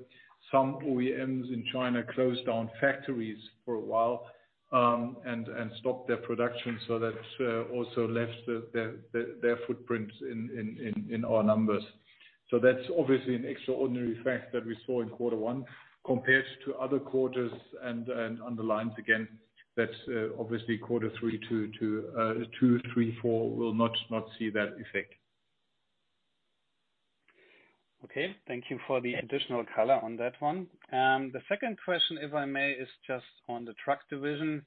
some OEMs in China closed down factories for a while, and stopped their production. That also left their footprints in our numbers. That's obviously an extraordinary fact that we saw in quarter one compared to other quarters and underlines again, that obviously quarter two, three, four will not see that effect. Okay, thank you for the additional color on that one. The second question, if I may, is just on the truck division.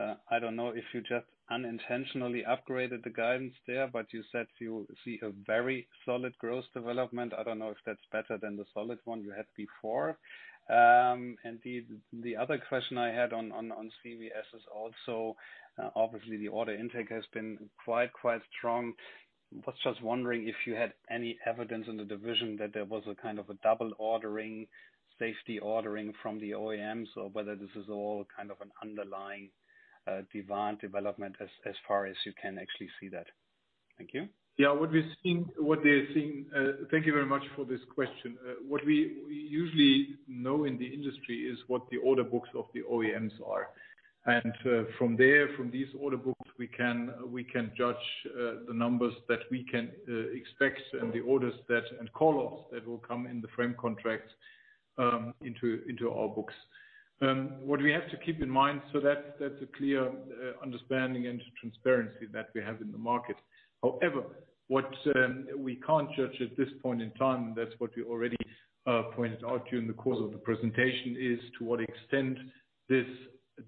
I don't know if you just unintentionally upgraded the guidance there, but you said you see a very solid growth development. I don't know if that's better than the solid one you had before. The other question I had on CVS is also, obviously the order intake has been quite strong. Was just wondering if you had any evidence in the division that there was a kind of a double ordering, safety ordering from the OEMs or whether this is all kind of an underlying demand development as far as you can actually see that. Thank you. Thank you very much for this question. What we usually know in the industry is what the order books of the OEMs are. From there, from these order books, we can judge the numbers that we can expect and the orders and call-offs that will come in the frame contracts into our books. What we have to keep in mind, that's a clear understanding and transparency that we have in the market. What we can't judge at this point in time, that's what we already pointed out to you in the course of the presentation, is to what extent this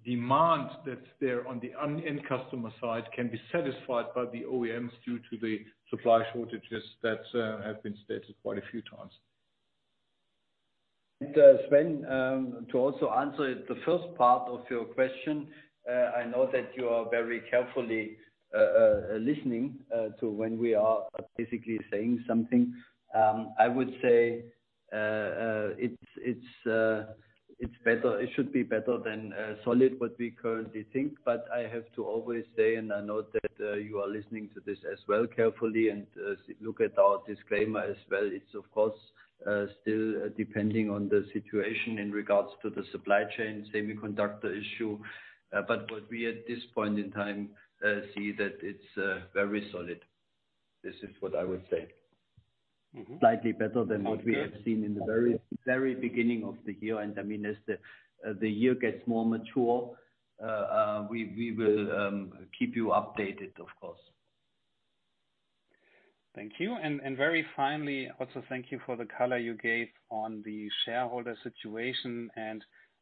demand that's there on the end customer side can be satisfied by the OEMs due to the supply shortages that have been stated quite a few times. Sven, to also answer the first part of your question, I know that you are very carefully listening to when we are basically saying something. I would say it should be better than solid, what we currently think, but I have to always say, and I know that you are listening to this as well carefully, and look at our disclaimer as well. It's of course, still depending on the situation in regards to the supply chain semiconductor issue. What we at this point in time see that it's very solid. This is what I would say. Slightly better than what we have seen in the very beginning of the year. As the year gets more mature, we will keep you updated, of course. Thank you. Very finally, also thank you for the color you gave on the shareholder situation.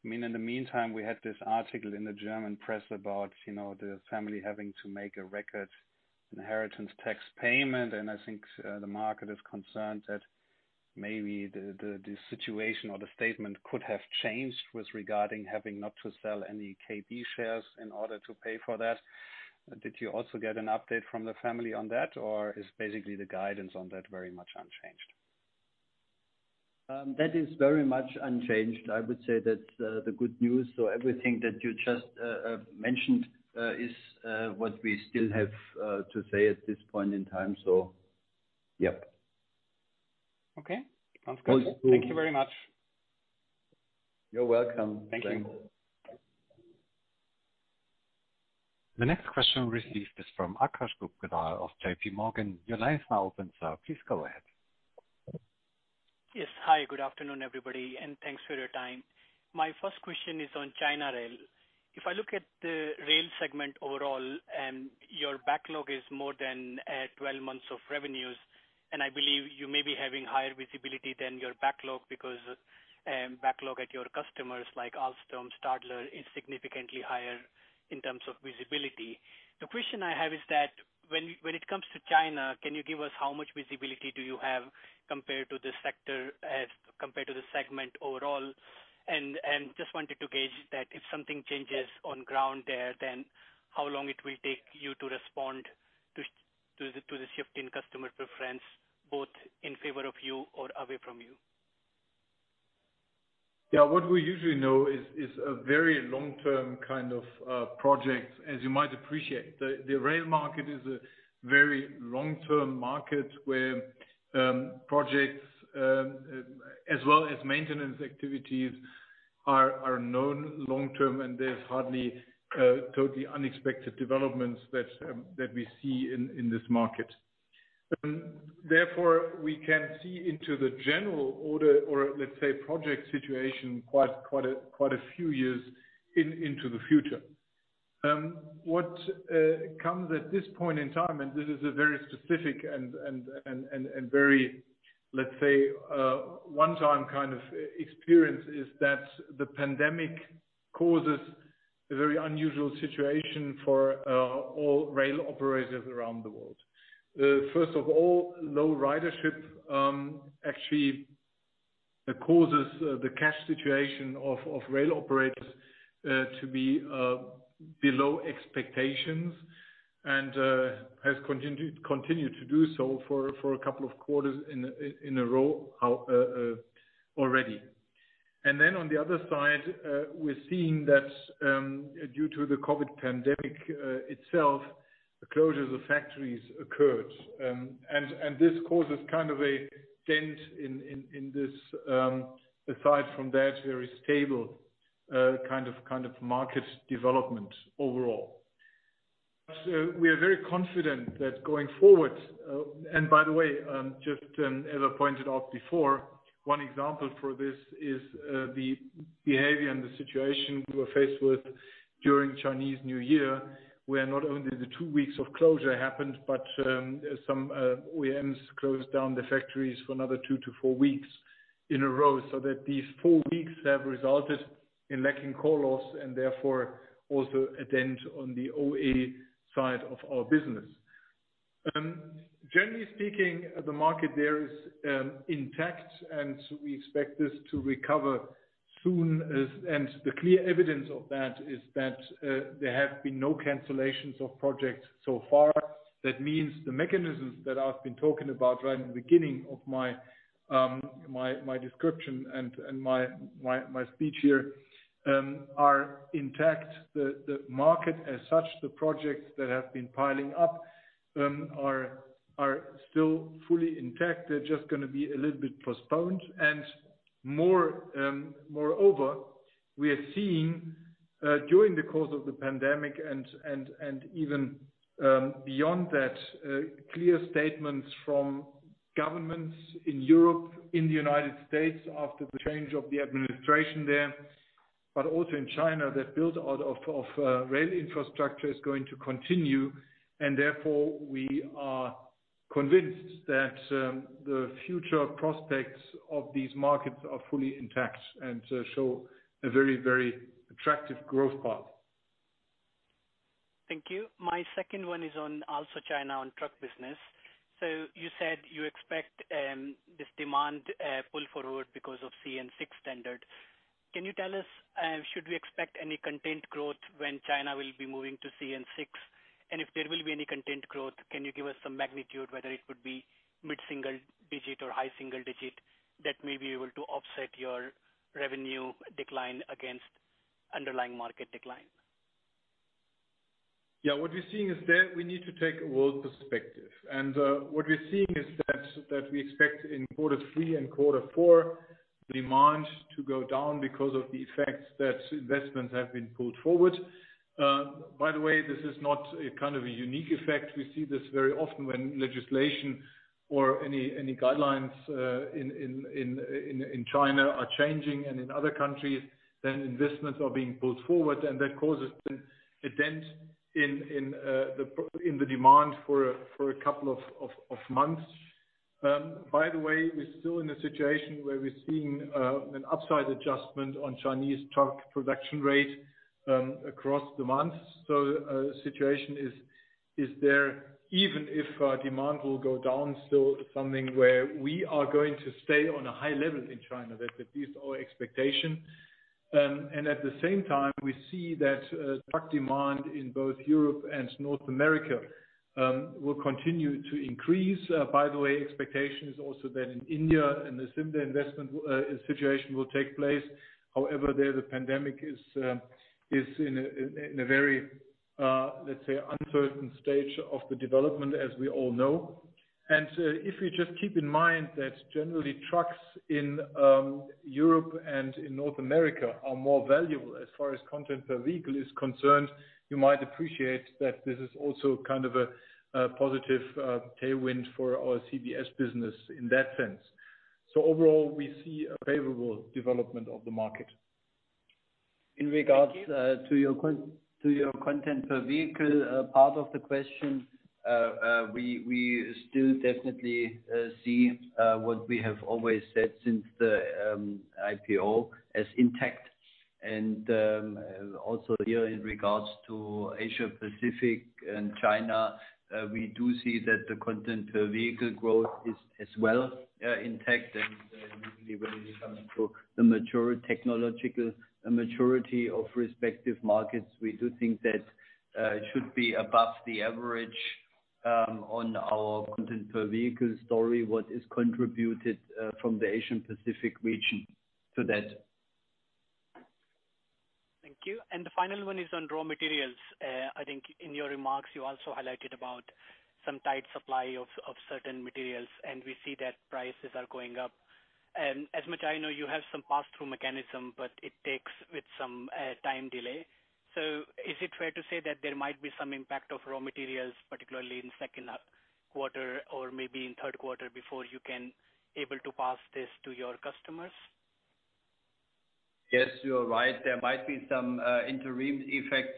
In the meantime, we had this article in the German press about the family having to make a record inheritance tax payment, and I think the market is concerned that maybe the situation or the statement could have changed regarding having not to sell any KB shares in order to pay for that. Did you also get an update from the family on that, or is basically the guidance on that very much unchanged? That is very much unchanged. I would say that the good news, so everything that you just mentioned, is what we still have to say at this point in time. Yep. Okay. Sounds good. Thank you very much. You're welcome. Thank you. The next question received is from Akash Gupta of JPMorgan. Your line is now open, sir. Please go ahead. Yes. Hi, good afternoon, everybody, and thanks for your time. My first question is on China Rail. If I look at the rail segment overall, your backlog is more than 12 months of revenues, and I believe you may be having higher visibility than your backlog because backlog at your customers like Alstom, Stadler, is significantly higher in terms of visibility. The question I have is that when it comes to China, can you give us how much visibility do you have compared to the sector as compared to the segment overall? Just wanted to gauge that if something changes on ground there, then how long it will take you to respond to the shift in customer preference, both in favor of you or away from you? What we usually know is a very long-term kind of project, as you might appreciate. The rail market is a very long-term market where projects, as well as maintenance activities, are known long-term, and there is hardly totally unexpected developments that we see in this market. Therefore, we can see into the general order, or let's say, project situation, quite a few years into the future. What comes at this point in time, and this is a very specific and very, let's say, one-time kind of experience, is that the pandemic causes a very unusual situation for all rail operators around the world. First of all, low ridership actually causes the cash situation of rail operators to be below expectations and has continued to do so for a couple of quarters in a row already. On the other side, we're seeing that due to the COVID pandemic itself, the closures of factories occurred. This causes kind of a dent in this, aside from that, very stable kind of market development overall. We are very confident that going forward, and by the way, just as I pointed out before, one example for this is the behavior and the situation we were faced with during Chinese New Year, where not only the two weeks of closure happened, but some OEMs closed down the factories for another two to four weeks in a row, so that these four weeks have resulted in lacking core loss and therefore also a dent on the OE side of our business. Generally speaking, the market there is intact, and we expect this to recover soon. The clear evidence of that is that there have been no cancellations of projects so far. That means the mechanisms that I've been talking about right in the beginning of my description and my speech here, are intact. The market as such, the projects that have been piling up, are still fully intact. They're just going to be a little bit postponed. Moreover, we are seeing, during the course of the pandemic and even beyond that, clear statements from governments in Europe, in the United States, after the change of the administration there, but also in China, that build out of rail infrastructure is going to continue, and therefore, we are convinced that the future prospects of these markets are fully intact and show a very attractive growth path. Thank you. My second one is on also China on truck business. You said you expect this demand pull forward because of CN6 standard. Can you tell us, should we expect any content growth when China will be moving to CN6? If there will be any content growth, can you give us some magnitude whether it would be mid-single digit or high single digit that may be able to offset your revenue decline against underlying market decline? Yeah. What we're seeing is that we need to take a world perspective. What we're seeing is that we expect in quarter three and quarter four, demand to go down because of the effects that investments have been pulled forward. By the way, this is not a kind of a unique effect. We see this very often when legislation or any guidelines in China are changing and in other countries, investments are being pulled forward, and that causes a dent in the demand for a couple of months. By the way, we're still in a situation where we're seeing an upside adjustment on Chinese truck production rate across demands. A situation is there, even if demand will go down, still something where we are going to stay on a high level in China. That is at least our expectation. At the same time, we see that truck demand in both Europe and North America will continue to increase. By the way, expectation is also that in India, a similar investment situation will take place. However, there, the pandemic is in a very, let's say, uncertain stage of the development, as we all know. If you just keep in mind that generally, trucks in Europe and in North America are more valuable as far as content per vehicle is concerned, you might appreciate that this is also a positive tailwind for our CVS business in that sense. Overall, we see a favorable development of the market. In regards to your content per vehicle, part of the question, we still definitely see what we have always said since the IPO as intact. Also here in regards to Asia-Pacific and China, we do see that the content per vehicle growth is as well intact. Usually when it comes to the technological maturity of respective markets, we do think that it should be above the average on our content per vehicle story what is contributed from the Asia-Pacific region to that. Thank you. The final one is on raw materials. I think in your remarks, you also highlighted about some tight supply of certain materials, and we see that prices are going up. As much I know you have some pass-through mechanism, but it takes some time delay. Is it fair to say that there might be some impact of raw materials, particularly in second quarter or maybe in third quarter, before you can able to pass this to your customers? Yes, you are right. There might be some interim effect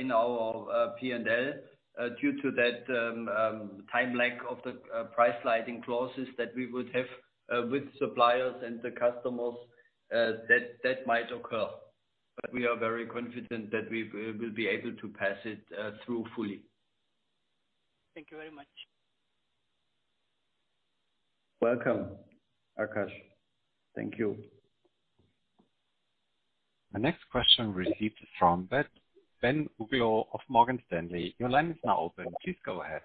in our P&L due to that time lag of the price sliding clauses that we would have with suppliers and the customers that might occur. We are very confident that we will be able to pass it through fully. Thank you very much. Welcome, Akash. Thank you. The next question received from Ben Uglow of Morgan Stanley. Your line is now open. Please go ahead.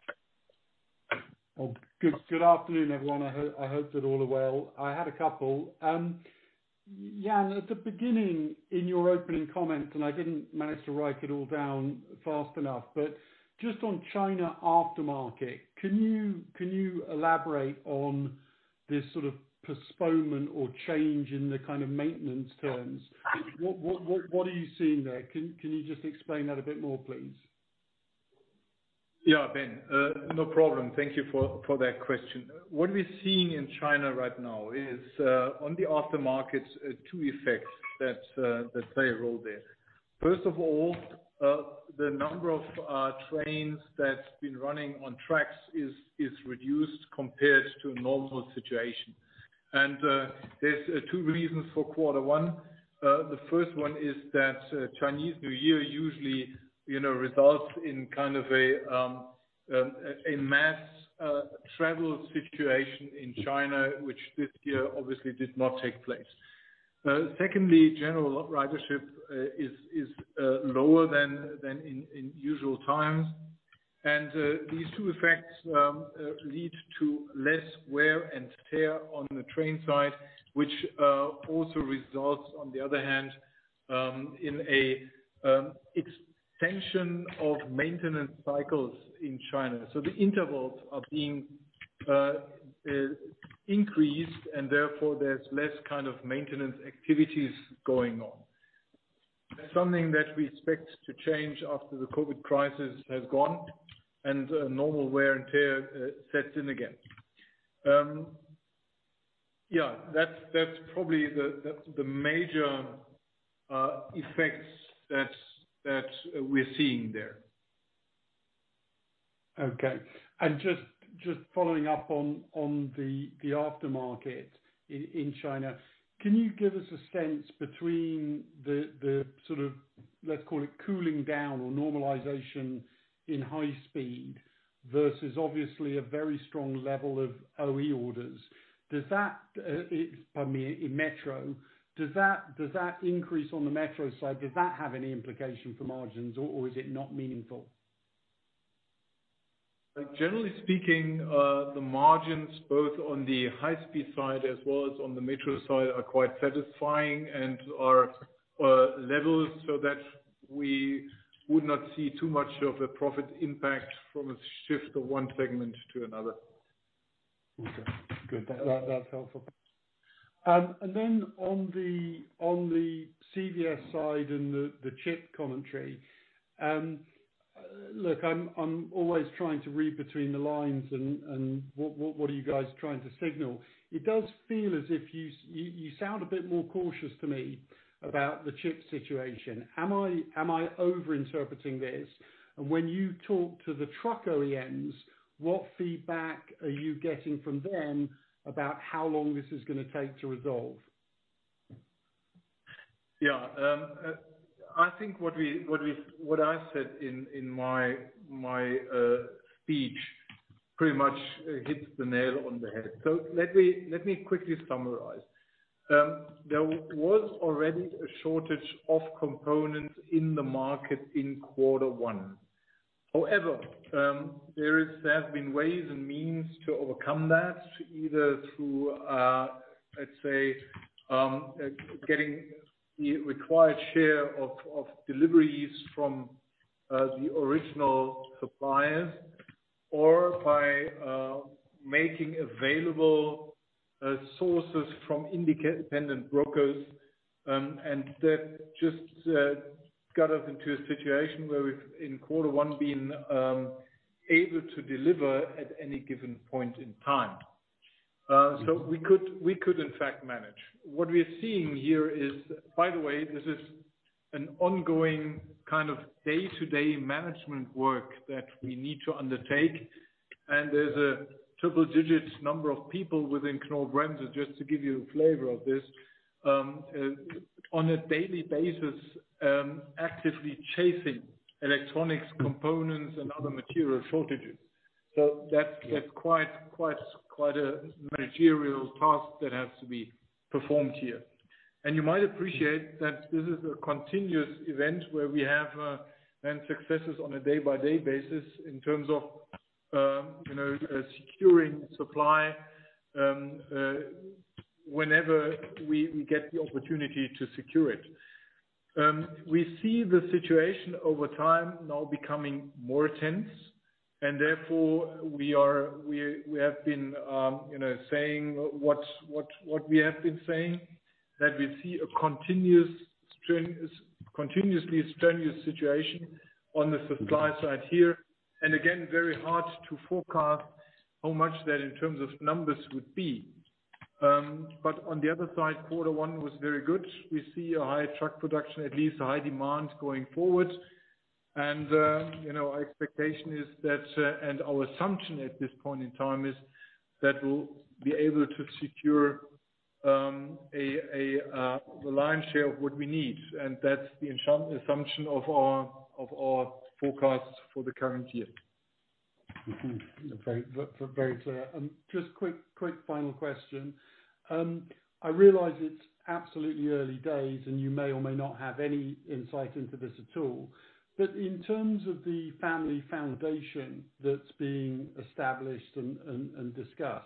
Good afternoon, everyone. I hope that all are well. I had a couple. Jan, at the beginning in your opening comments, I didn't manage to write it all down fast enough, but just on China aftermarket, can you elaborate on this sort of postponement or change in the kind of maintenance terms? What are you seeing there? Can you just explain that a bit more, please? Yeah, Ben. No problem. Thank you for that question. What we're seeing in China right now is, on the aftermarkets, two effects that play a role there. First of all, the number of trains that's been running on tracks is reduced compared to a normal situation. There's two reasons for quarter one. The first one is that Chinese New Year usually results in a mass travel situation in China, which this year obviously did not take place. Secondly, general ridership is lower than in usual times. These two effects lead to less wear and tear on the train side, which also results, on the other hand, in a extension of maintenance cycles in China. The intervals are being increased, and therefore there's less maintenance activities going on. That's something that we expect to change after the COVID crisis has gone and normal wear and tear sets in again. That's probably the major effects that we're seeing there. Okay. Just following up on the aftermarket in China. Can you give us a sense between the sort of, let's call it cooling down or normalization in high speed versus obviously a very strong level of OE orders? Pardon me, in metro. Does that increase on the metro side, does that have any implication for margins or is it not meaningful? Generally speaking, the margins both on the high-speed side as well as on the metro side are quite satisfying and are levels so that we would not see too much of a profit impact from a shift of one segment to another. Okay. Good. That's helpful. On the CVS side and the chip commentary. Look, I'm always trying to read between the lines and what are you guys trying to signal. It does feel as if you sound a bit more cautious to me about the chip situation. Am I over-interpreting this? When you talk to the truck OEMs, what feedback are you getting from them about how long this is going to take to resolve? Yeah. I think what I said in my speech pretty much hits the nail on the head. Let me quickly summarize. There was already a shortage of components in the market in quarter one. However, there have been ways and means to overcome that, either through, let's say, getting the required share of deliveries from the original suppliers or by making available sources from independent brokers. That just got us into a situation where we've, in quarter one, been able to deliver at any given point in time. We could in fact manage. What we're seeing here is, by the way, this is an ongoing kind of day-to-day management work that we need to undertake, and there's a triple-digit number of people within Knorr-Bremse, just to give you a flavor of this, on a daily basis, actively chasing electronics components and other material shortages. That's quite a managerial task that has to be performed here. You might appreciate that this is a continuous event where we have successes on a day-by-day basis in terms of securing supply whenever we get the opportunity to secure it. We see the situation over time now becoming more tense, and therefore, we have been saying what we have been saying, that we see a continuously strenuous situation on the supply side here, and again, very hard to forecast how much that in terms of numbers would be. On the other side, quarter one was very good. We see a high truck production, at least a high demand going forward. Our expectation and our assumption at this point in time is that we'll be able to secure the lion's share of what we need, and that's the assumption of our forecasts for the current year. Very clear. Just quick final question. I realize it's absolutely early days, and you may or may not have any insight into this at all, but in terms of the family foundation that's being established and discussed,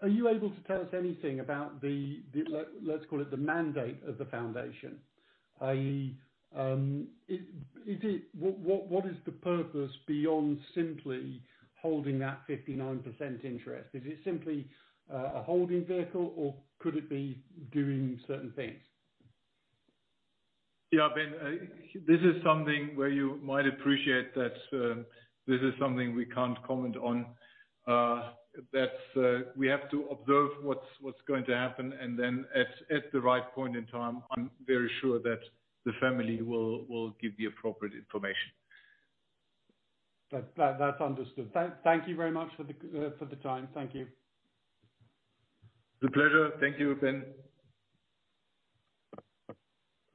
are you able to tell us anything about the, let's call it the mandate of the foundation? What is the purpose beyond simply holding that 59% interest? Is it simply a holding vehicle, or could it be doing certain things? Yeah, Ben, this is something where you might appreciate that this is something we can't comment on. That we have to observe what's going to happen, and then at the right point in time, I'm very sure that the Family will give the appropriate information. That's understood. Thank you very much for the time. Thank you. It's a pleasure. Thank you, Ben.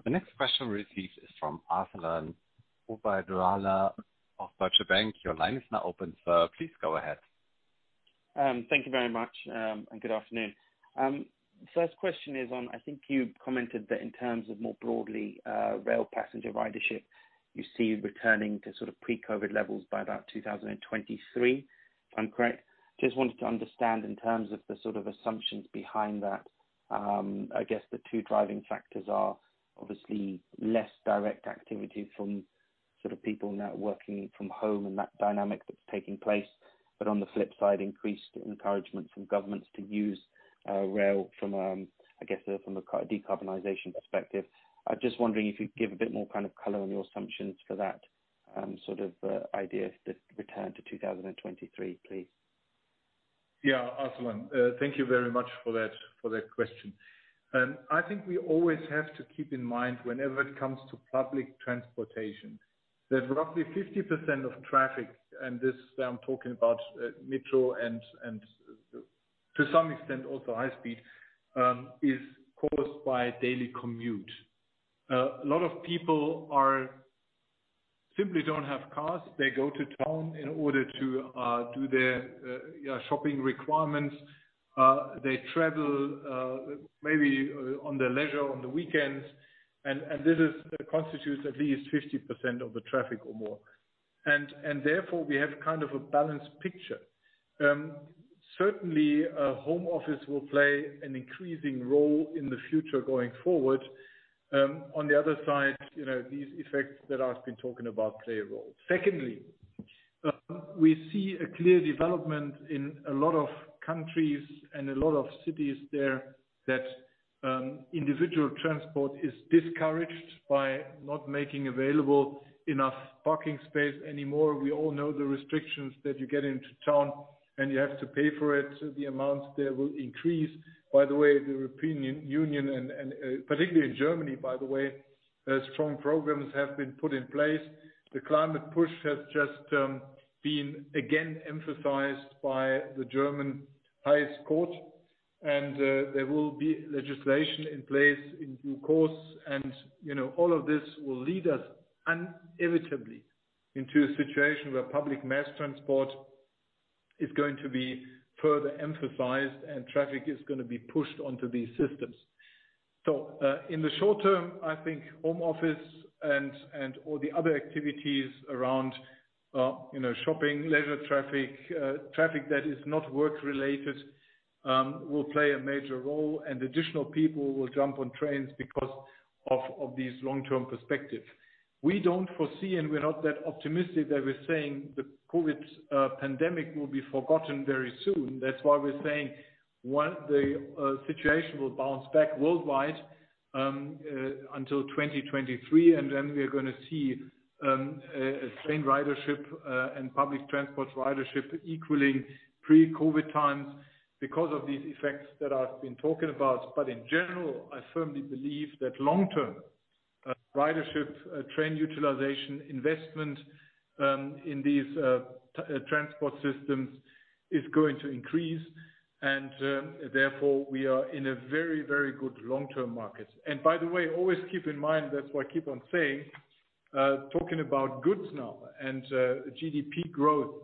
The next question received is from Arsalan Zubair of Deutsche Bank. Your line is now open, sir. Please go ahead. Thank you very much. Good afternoon. First question is on, I think you commented that in terms of more broadly, rail passenger ridership, you see it returning to sort of pre-COVID levels by about 2023, if I'm correct. Just wanted to understand in terms of the sort of assumptions behind that. I guess the two driving factors are obviously less direct activity from sort of people now working from home and that dynamic that's taking place. On the flip side, increased encouragement from governments to use rail from, I guess, from a decarbonization perspective. I'm just wondering if you could give a bit more kind of color on your assumptions for that sort of idea, the return to 2023, please. Yeah, Arsalan. Thank you very much for that question. I think we always have to keep in mind whenever it comes to public transportation, that roughly 50% of traffic, and this I'm talking about metro and to some extent also high speed, is caused by daily commute. A lot of people simply don't have cars. They go to town in order to do their shopping requirements. They travel maybe on their leisure on the weekends, and this constitutes at least 50% of the traffic or more. Therefore, we have kind of a balanced picture. Certainly, home office will play an increasing role in the future going forward. On the other side, these effects that I've been talking about play a role. Secondly, we see a clear development in a lot of countries and a lot of cities there that individual transport is discouraged by not making available enough parking space anymore. We all know the restrictions that you get into town, and you have to pay for it. The amounts there will increase. By the way, the European Union and particularly in Germany, by the way, strong programs have been put in place. The climate push has just been again emphasized by the German Highest Court, and there will be legislation in place in due course. All of this will lead us inevitably into a situation where public mass transport is going to be further emphasized and traffic is going to be pushed onto these systems. So, in the short term, I think home office and all the other activities around shopping, leisure traffic that is not work-related, will play a major role and additional people will jump on trains because of these long-term perspectives. We don't foresee, and we're not that optimistic that we're saying the COVID pandemic will be forgotten very soon. That's why we're saying the situation will bounce back worldwide until 2023, and then we are going to see train ridership and public transport ridership equaling pre-COVID times because of these effects that I've been talking about. In general, I firmly believe that long-term ridership, train utilization, investment in these transport systems is going to increase and, therefore, we are in a very good long-term market. By the way, always keep in mind, that's why I keep on saying, talking about goods now and GDP growth,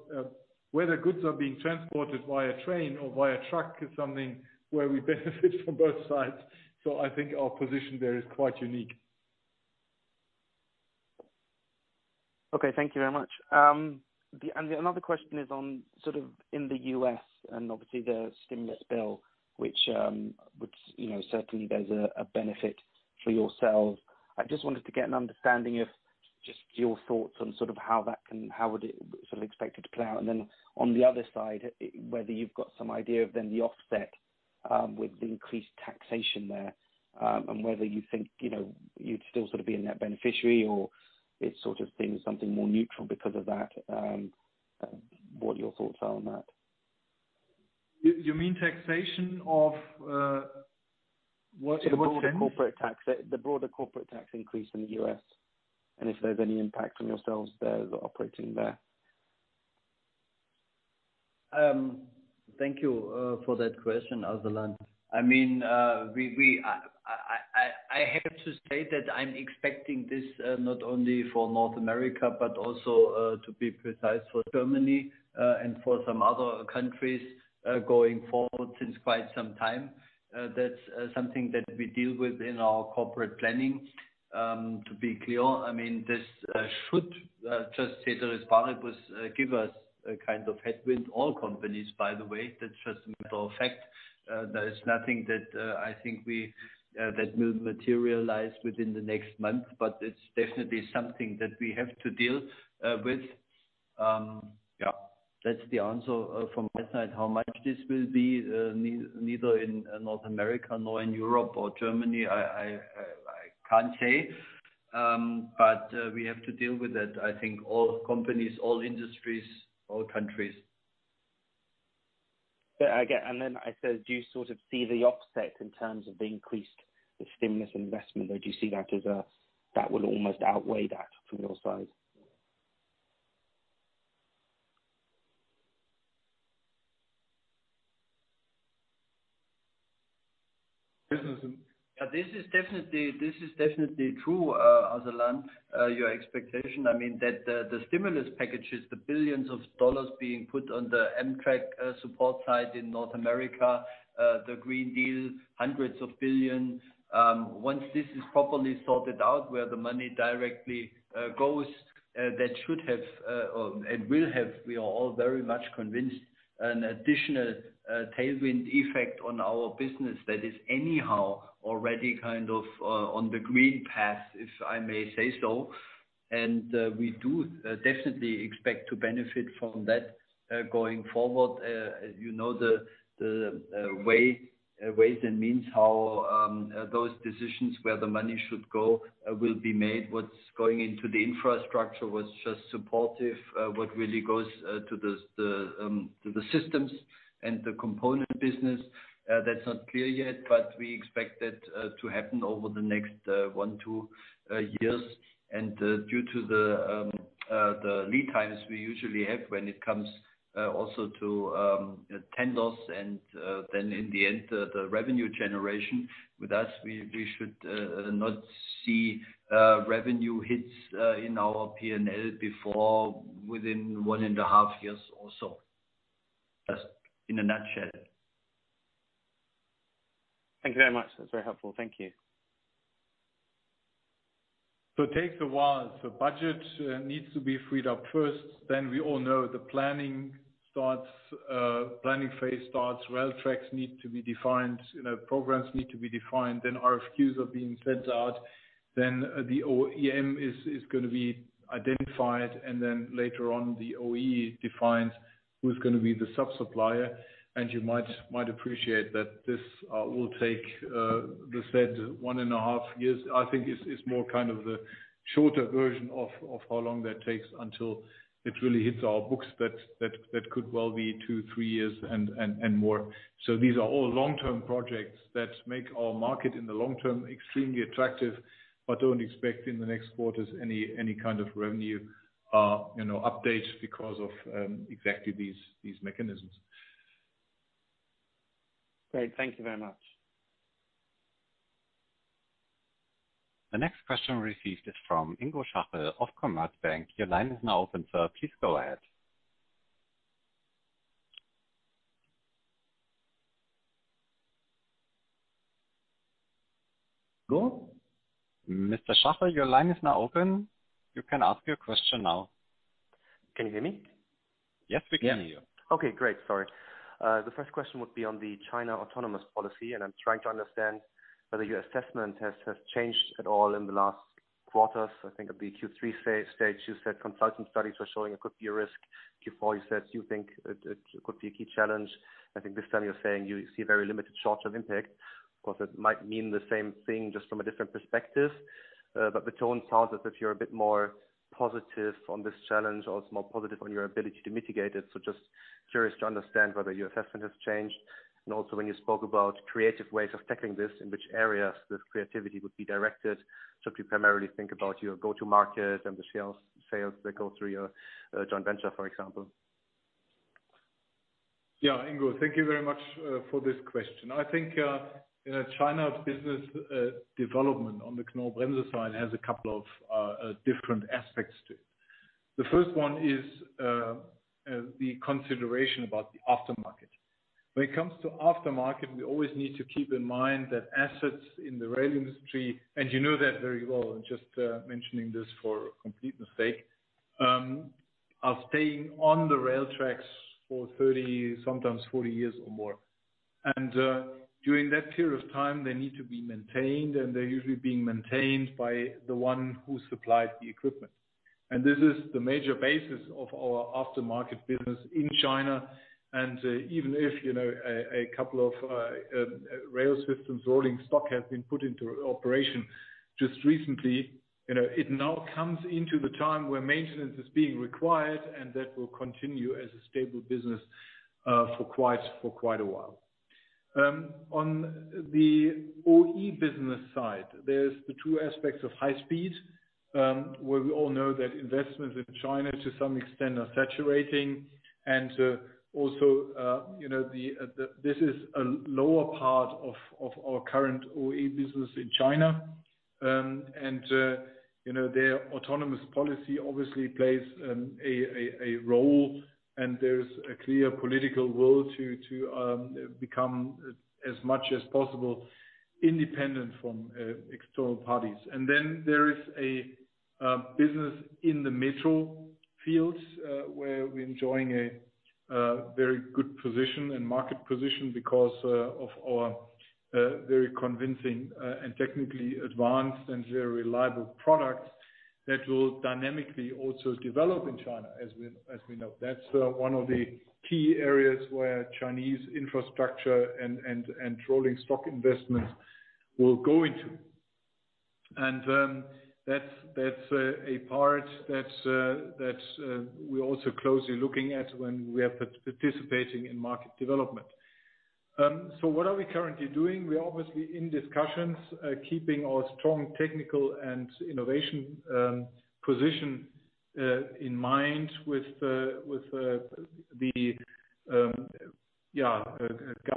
whether goods are being transported via train or via truck is something where we benefit from both sides. I think our position there is quite unique. Okay. Thank you very much. Another question is on sort of in the U.S. and obviously the stimulus bill, which certainly there's a benefit for yourselves. I just wanted to get an understanding of just your thoughts on how would it sort of expected to play out. Then on the other side, whether you've got some idea of then the offset, with the increased taxation there, and whether you think you'd still sort of be a net beneficiary or it sort of seems something more neutral because of that. What are your thoughts are on that? You mean taxation of, what sense? The broader corporate tax increase in the U.S., and if there's any impact on yourselves there that are operating there. Thank you for that question, Arsalan. I have to say that I'm expecting this, not only for North America, but also, to be precise, for Germany, and for some other countries, going forward since quite some time. That's something that we deal with in our corporate planning. To be clear, this should give us a kind of headwind, all companies, by the way, that's just a matter of fact. There is nothing that I think that will materialize within the next month, but it's definitely something that we have to deal with. Yeah. That's the answer from my side. How much this will be, neither in North America nor in Europe or Germany, I can't say. We have to deal with that. I think all companies, all industries, all countries. Yeah, I get it. Then I said, do you sort of see the offset in terms of the increased stimulus investment, or do you see that will almost outweigh that from your side? This is definitely true, Arsalan, your expectation. The stimulus packages, the billions of USD being put on the Amtrak support side in North America, the European Green Deal, hundreds of billions EUR. Once this is properly sorted out where the money directly goes, that should have, and will have, we are all very much convinced, an additional tailwind effect on our business that is anyhow already kind of on the green path, if I may say so. We do definitely expect to benefit from that going forward. As you know the ways and means how those decisions where the money should go will be made, what's going into the infrastructure, what's just supportive, what really goes to the systems and the component business. That's not clear yet, but we expect that to happen over the next one, two years. Due to the lead times we usually have when it comes also to tenders and then in the end, the revenue generation with us, we should not see revenue hits in our P&L before within one and a half years or so. Just in a nutshell. Thank you very much. That is very helpful. Thank you. It takes a while. The budget needs to be freed up first. We all know the planning phase starts. Rail tracks need to be defined, programs need to be defined, then RFQs are being sent out, then the OEM is going to be identified, and then later on, the OE defines who's going to be the sub-supplier. You might appreciate that this will take the said one and a half years. I think it's more kind of the shorter version of how long that takes until it really hits our books. That could well be two, three years and more. These are all long-term projects that make our market in the long term extremely attractive, but don't expect in the next quarters any kind of revenue updates because of exactly these mechanisms. Great. Thank you very much. The next question received is from Ingo Schachel of Commerzbank. Your line is now open, sir. Please go ahead. Ingo? Mr. Schachel, your line is now open. You can ask your question now. Can you hear me? Yes, we can hear you. Okay, great. Sorry. The first question would be on the China autonomous policy, and I am trying to understand whether your assessment has changed at all in the last quarters. I think at the Q3 stage, you said consultant studies were showing it could be a risk. Q4, you said you think it could be a key challenge. I think this time you are saying you see a very limited short-term impact. Of course, it might mean the same thing, just from a different perspective. The tone sounds as if you are a bit more positive on this challenge or more positive on your ability to mitigate it. Just curious to understand whether your assessment has changed, and also when you spoke about creative ways of tackling this, in which areas this creativity would be directed. Do you primarily think about your go-to market and the sales that go through your joint venture, for example? Yeah, Ingo, thank you very much for this question. I think China's business development on the Knorr-Bremse side has a couple of different aspects to it. The first one is the consideration about the aftermarket. When it comes to aftermarket, we always need to keep in mind that assets in the rail industry, and you know that very well, I'm just mentioning this for completeness sake, are staying on the rail tracks for 30, sometimes 40 years or more. During that period of time, they need to be maintained, and they're usually being maintained by the one who supplied the equipment. This is the major basis of our aftermarket business in China. Even if a couple of rail systems rolling stock has been put into operation just recently, it now comes into the time where maintenance is being required, and that will continue as a stable business for quite a while. On the OE business side, there's the two aspects of high speed, where we all know that investments in China to some extent are saturating. Also, this is a lower part of our current OE business in China. Their autonomous policy obviously plays a role, and there's a clear political will to become as much as possible independent from external parties. Then there is a business in the metro fields, where we're enjoying a very good position and market position because of our very convincing and technically advanced and very reliable products that will dynamically also develop in China, as we know. That's one of the key areas where Chinese infrastructure and rolling stock investments will go into. That's a part that we're also closely looking at when we are participating in market development. What are we currently doing? We're obviously in discussions, keeping our strong technical and innovation position in mind with the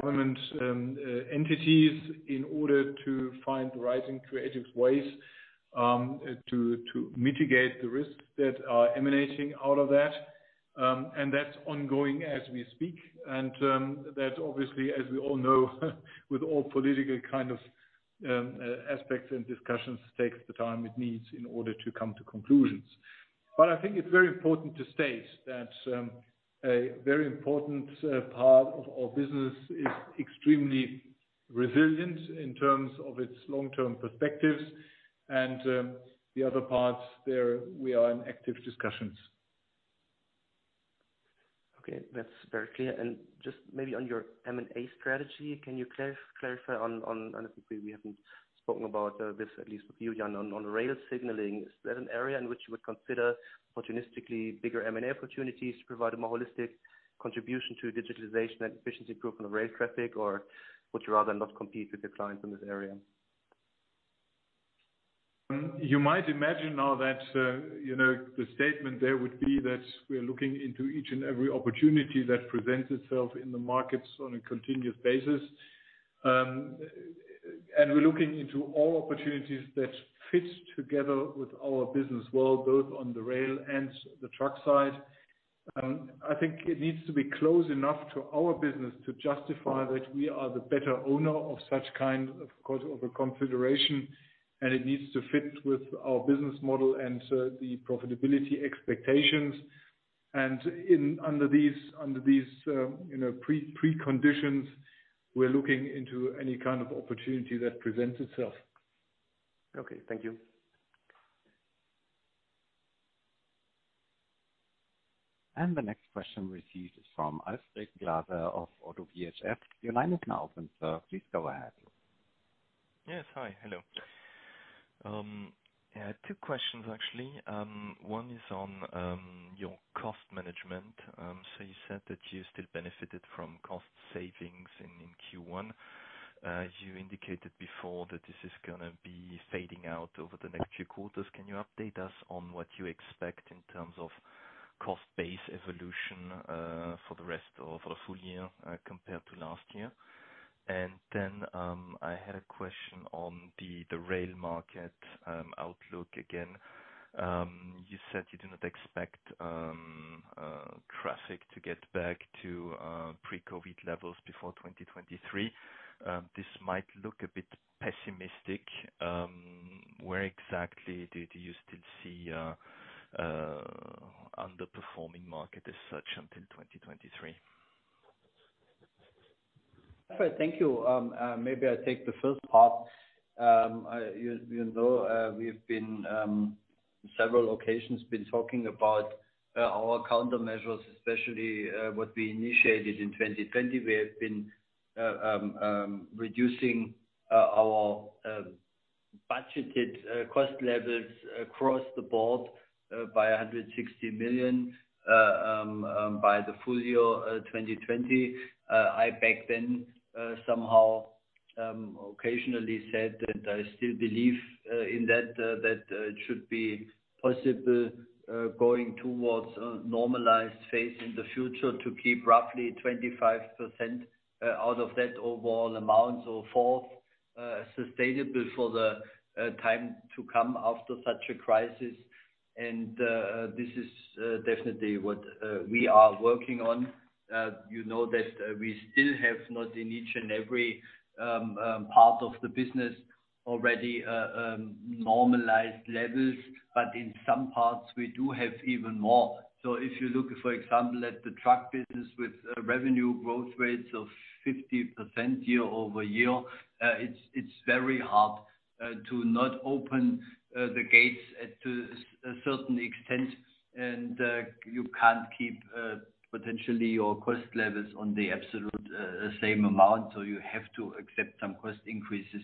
government entities in order to find the right and creative ways to mitigate the risks that are emanating out of that. That's ongoing as we speak. That's obviously, as we all know, with all political aspects and discussions, takes the time it needs in order to come to conclusions. I think it's very important to state that a very important part of our business is extremely resilient in terms of its long-term perspectives. The other parts, there we are in active discussions. Okay, that's very clear. Just maybe on your M&A strategy, can you clarify on, and obviously we haven't spoken about this, at least with you, Jan, on rail signaling. Is that an area in which you would consider opportunistically bigger M&A opportunities to provide a more holistic contribution to digitalization and efficiency improvement of rail traffic? Would you rather not compete with the clients in this area? You might imagine now that the statement there would be that we are looking into each and every opportunity that presents itself in the markets on a continuous basis. We're looking into all opportunities that fit together with our business world, both on the rail and the truck side. I think it needs to be close enough to our business to justify that we are the better owner of such kind of a configuration, and it needs to fit with our business model and the profitability expectations. Under these preconditions, we're looking into any kind of opportunity that presents itself. Okay. Thank you. The next question received is from Ulrich Glaser of ODDO BHF. Your line is now open, sir. Please go ahead. Yes. Hi. Hello. Two questions, actually. One is on your cost management. You said that you still benefited from cost savings in Q1. As you indicated before that this is going to be fading out over the next few quarters. Can you update us on what you expect in terms of cost base evolution for the rest of the full year compared to last year? I had a question on the rail market outlook again. You said you do not expect traffic to get back to pre-COVID levels before 2023. This might look a bit pessimistic. Where exactly do you still see underperforming market as such until 2023? Thank you. Maybe I take the first part. You know, we've been, on several occasions, been talking about our countermeasures, especially what we initiated in 2020. We have been reducing our budgeted cost levels across the board by 160 million by the full year 2020. I back then somehow occasionally said that I still believe in that it should be possible, going towards a normalized phase in the future, to keep roughly 25% out of that overall amount or fourth sustainable for the time to come after such a crisis. This is definitely what we are working on. You know that we still have not in each and every part of the business already normalized levels, but in some parts we do have even more. If you look, for example, at the truck business with revenue growth rates of 50% year-over-year, it is very hard to not open the gates at a certain extent. You can't keep potentially your cost levels on the absolute same amount, so you have to accept some cost increases.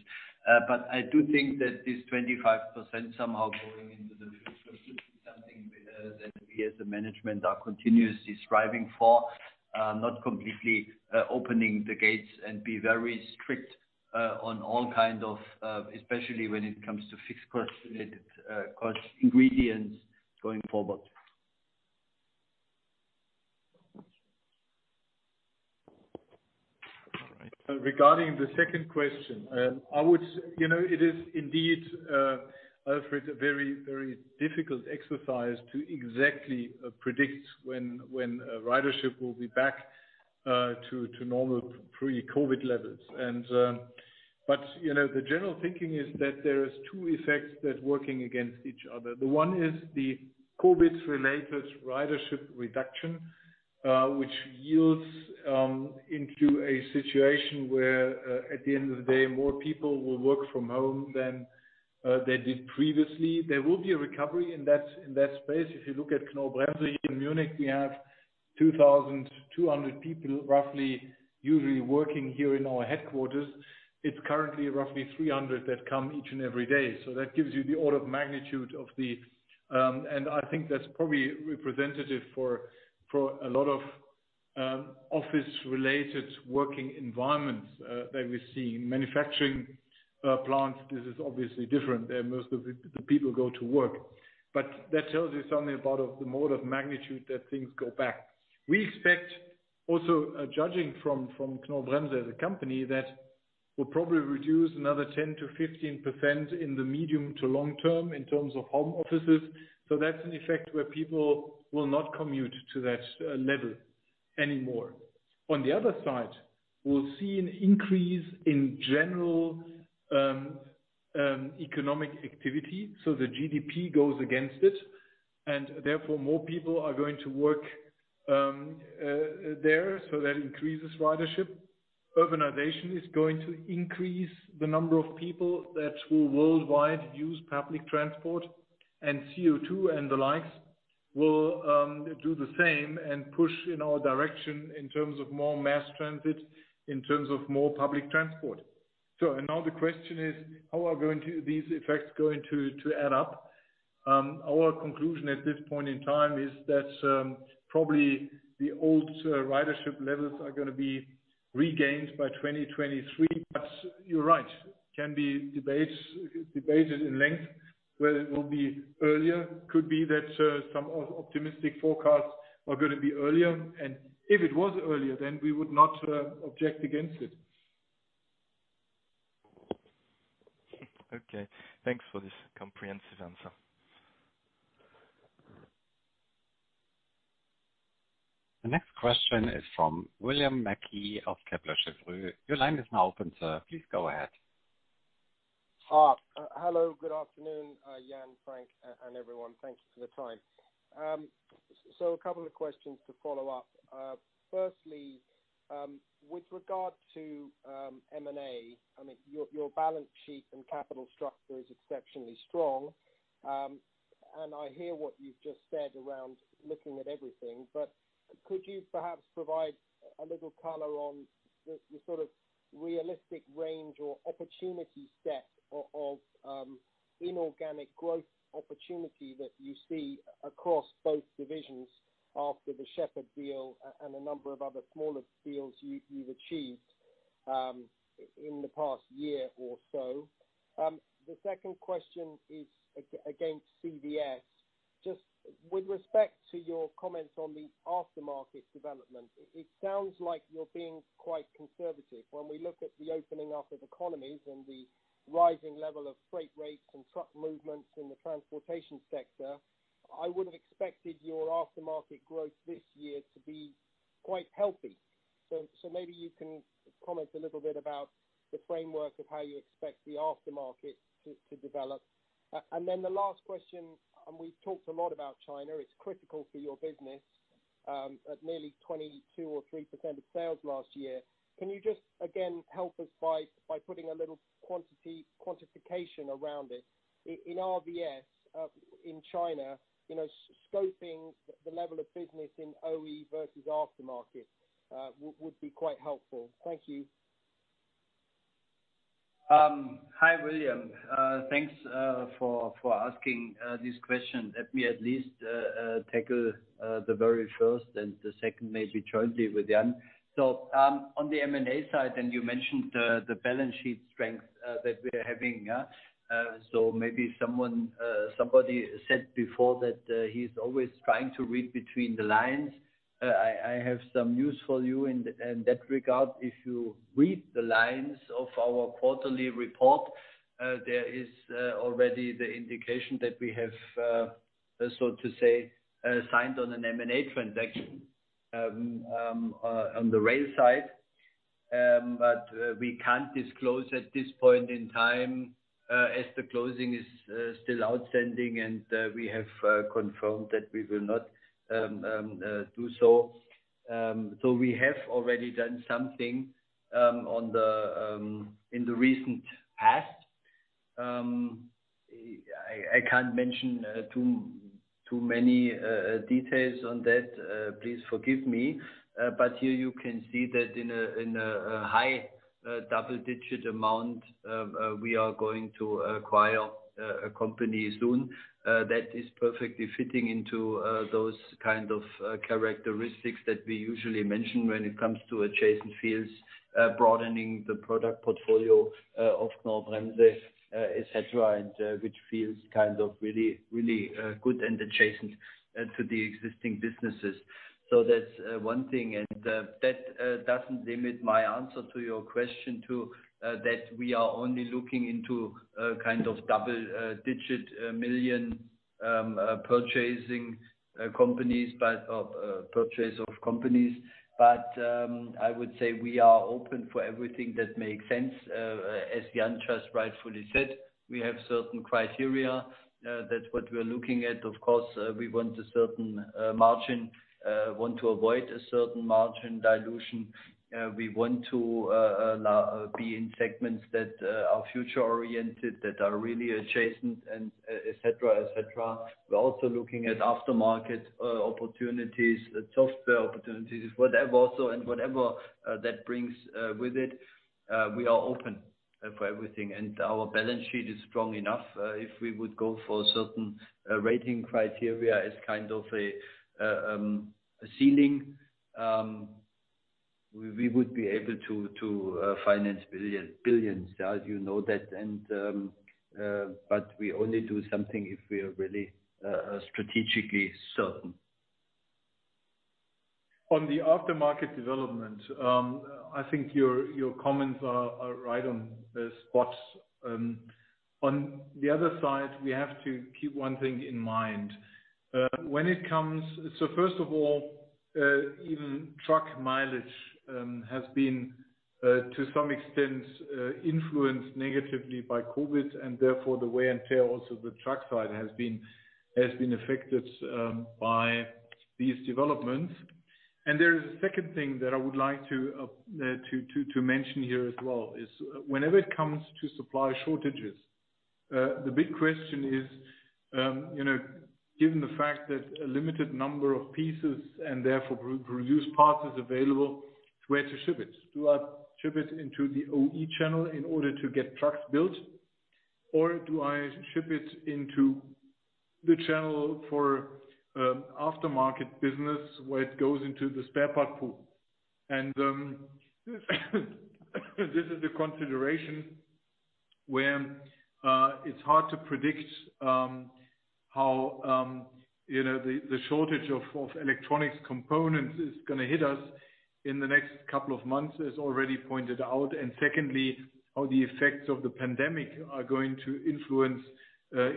I do think that this 25% somehow going into the future is something that we as a management are continuously striving for, not completely opening the gates and be very strict on all kind of, especially when it comes to fixed cost related cost ingredients going forward. All right. Regarding the second question, it is indeed, Alfred, a very difficult exercise to exactly predict when ridership will be back to normal pre-COVID levels. The general thinking is that there is two effects that are working against each other. The one is the COVID-related ridership reduction, which yields into a situation where, at the end of the day, more people will work from home than they did previously. There will be a recovery in that space. If you look at Knorr-Bremse here in Munich, we have 2,200 people roughly usually working here in our headquarters. It's currently roughly 300 that come each and every day. That gives you the order of magnitude. I think that's probably representative for a lot of office-related working environments that we're seeing. Manufacturing plants, this is obviously different. Most of the people go to work. That tells you something about the mode of magnitude that things go back. We expect also, judging from Knorr-Bremse as a company, that we'll probably reduce another 10%-15% in the medium to long term in terms of home offices. That's an effect where people will not commute to that level anymore. On the other side, we'll see an increase in general economic activity, so the GDP goes against it, and therefore more people are going to work there, so that increases ridership. Urbanization is going to increase the number of people that will worldwide use public transport, and CO2 and the likes will do the same and push in our direction in terms of more mass transit, in terms of more public transport. Now the question is, how are these effects going to add up? Our conclusion at this point in time is that probably the old ridership levels are going to be regained by 2023. You're right, can be debated in length whether it will be earlier. Could be that some optimistic forecasts are going to be earlier. If it was earlier, we would not object against it. Okay. Thanks for this comprehensive answer. The next question is from William Mackie of Kepler Cheuvreux. Your line is now open, sir. Please go ahead. Hello. Good afternoon Jan, Frank, and everyone. Thank you for the time. A couple of questions to follow up. Firstly, with regard to M&A, your balance sheet and capital structure is exceptionally strong. I hear what you've just said around looking at everything, but could you perhaps provide a little color on the sort of realistic range or opportunity set of inorganic growth opportunity that you see across both divisions after the Sheppard deal and a number of other smaller deals you've achieved in the past year or so? The second question is against CVS. Just with respect to your comments on the aftermarket development, it sounds like you're being quite conservative. When we look at the opening up of economies and the rising level of freight rates and truck movements in the transportation sector, I would have expected your aftermarket growth this year to be quite healthy. Maybe you can comment a little bit about the framework of how you expect the aftermarket to develop. Then the last question, and we've talked a lot about China, it's critical for your business, at nearly 22 or 3% of sales last year. Can you just again, help us by putting a little quantification around it? In RVS, in China, scoping the level of business in OE versus aftermarket, would be quite helpful. Thank you. Hi, William. Thanks for asking these questions. Let me at least tackle the very first and the second, maybe jointly with Jan. On the M&A side, you mentioned the balance sheet strength that we're having. Maybe somebody said before that he's always trying to read between the lines. I have some news for you in that regard. If you read the lines of our quarterly report, there is already the indication that we have, so to say, signed on an M&A transaction on the rail side. We can't disclose at this point in time, as the closing is still outstanding, and we have confirmed that we will not do so. We have already done something in the recent past. I can't mention too many details on that, please forgive me. Here you can see that in a high double-digit amount, we are going to acquire a company soon, that is perfectly fitting into those kind of characteristics that we usually mention when it comes to adjacent fields, broadening the product portfolio of Knorr-Bremse, et cetera, and which feels kind of really good and adjacent to the existing businesses. That's one thing and that doesn't limit my answer to your question too, that we are only looking into a kind of double-digit million purchasing companies by purchase of companies. I would say we are open for everything that makes sense. As Jan just rightfully said, we have certain criteria, that's what we're looking at. Of course, we want a certain margin, want to avoid a certain margin dilution. We want to be in segments that are future-oriented, that are really adjacent and et cetera. We're also looking at aftermarket opportunities, software opportunities, whatever also, and whatever that brings with it. We are open for everything, and our balance sheet is strong enough. If we would go for certain rating criteria as kind of a ceiling, we would be able to finance billions. You know that. We only do something if we are really strategically certain. On the aftermarket development, I think your comments are right on the spot. On the other side, we have to keep one thing in mind. First of all, even truck mileage has been, to some extent, influenced negatively by COVID and therefore the wear and tear also the truck side has been affected by these developments. There is a second thing that I would like to mention here as well, is whenever it comes to supply shortages, the big question is, given the fact that a limited number of pieces and therefore produced parts is available, where to ship it? Do I ship it into the OE channel in order to get trucks built? Or do I ship it into the channel for aftermarket business where it goes into the spare part pool? This is a consideration where it's hard to predict how the shortage of electronics components is going to hit us in the next couple of months as already pointed out. Secondly, how the effects of the pandemic are going to influence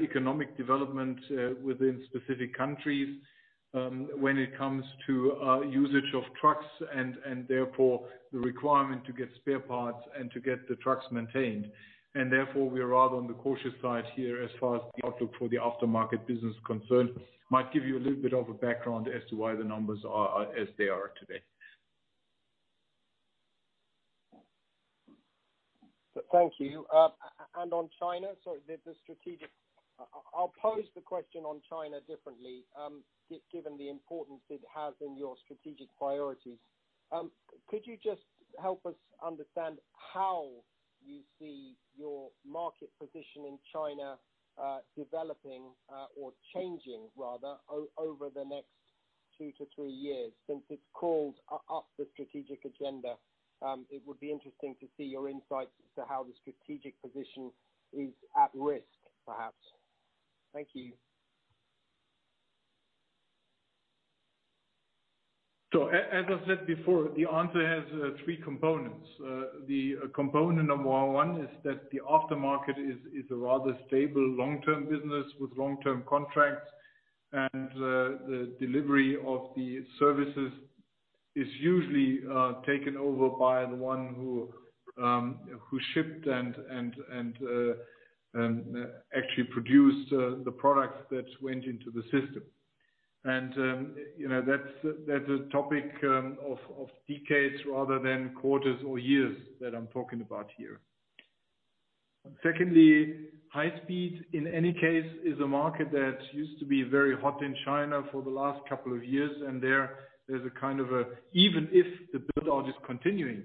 economic development within specific countries when it comes to usage of trucks and therefore the requirement to get spare parts and to get the trucks maintained. Therefore, we are rather on the cautious side here as far as the outlook for the aftermarket business is concerned. Might give you a little bit of a background as to why the numbers are as they are today. Thank you. On China, I'll pose the question on China differently, given the importance it has in your strategic priorities. Could you just help us understand how you see your market position in China, developing, or changing rather, over the next two to three years since it calls up the strategic agenda? It would be interesting to see your insights to how the strategic position is at risk, perhaps. Thank you. As I said before, the answer has three components. The component number 1 is that the aftermarket is a rather stable long-term business with long-term contracts. The delivery of the services is usually taken over by the one who shipped and actually produced the products that went into the system. That's a topic of decades rather than quarters or years that I'm talking about here. Secondly, high speed, in any case, is a market that used to be very hot in China for the last couple of years. There is a kind of, even if the build out is continuing,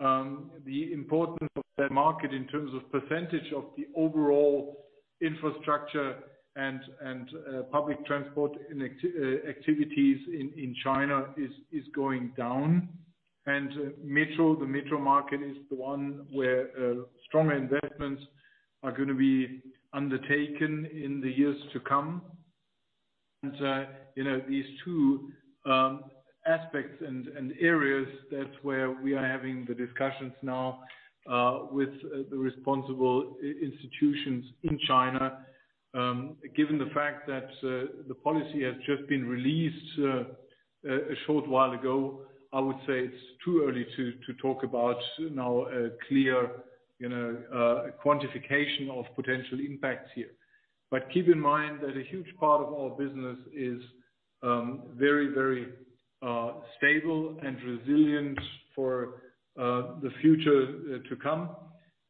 the importance of that market in terms of % of the overall infrastructure and public transport activities in China is going down. The metro market is the one where strong investments are going to be undertaken in the years to come. These two aspects and areas, that's where we are having the discussions now with the responsible institutions in China. Given the fact that the policy has just been released a short while ago, I would say it's too early to talk about now a clear quantification of potential impacts here. Keep in mind that a huge part of our business is very stable and resilient for the future to come.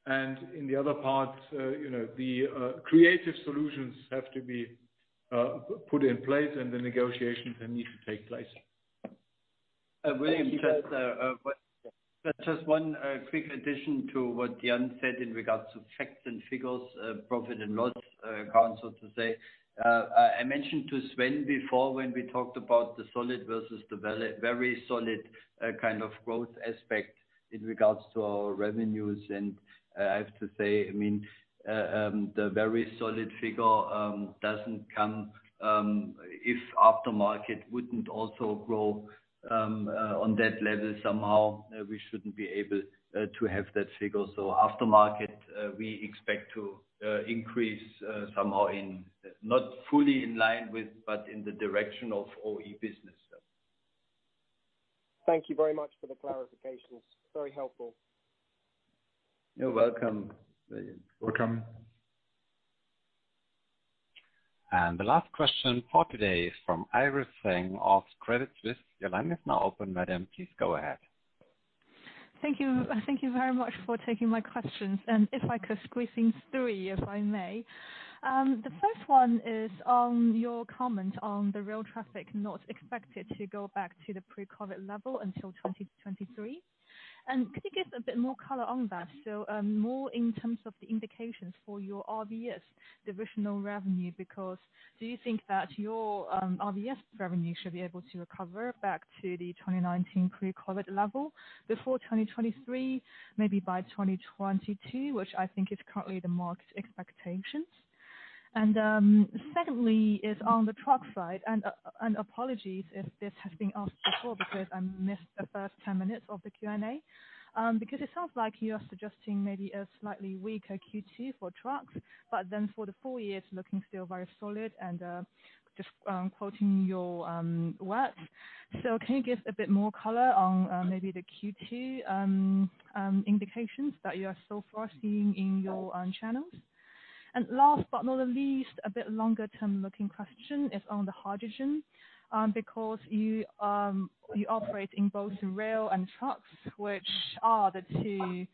In the other part, the creative solutions have to be put in place and the negotiations then need to take place. William Just one quick addition to what Jan said in regards to facts and figures, profit and loss count, so to say. I mentioned to Sven before when we talked about the solid versus the very solid kind of growth aspect in regards to our revenues. I have to say, the very solid figure doesn't come if aftermarket wouldn't also grow on that level somehow, we shouldn't be able to have that figure. Aftermarket, we expect to increase somehow in, not fully in line with, but in the direction of OE business. Thank you very much for the clarifications. Very helpful. You're welcome, William. Welcome. The last question for today is from Iris Zheng of Credit Suisse. Your line is now open, madam. Please go ahead. Thank you very much for taking my questions. If I could squeeze in three, if I may. The first one is on your comment on the rail traffic not expected to go back to the pre-COVID level until 2023. Could you give a bit more color on that? More in terms of the indications for your RVS divisional revenue, because do you think that your RVS revenue should be able to recover back to the 2019 pre-COVID level before 2023, maybe by 2022, which I think is currently the market expectations? Secondly, is on the truck side, and apologies if this has been asked before because I missed the first 10 minutes of the Q&A. It sounds like you are suggesting maybe a slightly weaker Q2 for trucks, but then for the full year, it's looking still very solid and just quoting your words. Can you give a bit more color on maybe the Q2 indications that you are so far seeing in your channels? Last but not least, a bit longer-term looking question is on the hydrogen, because you operate in both rail and trucks, which are the two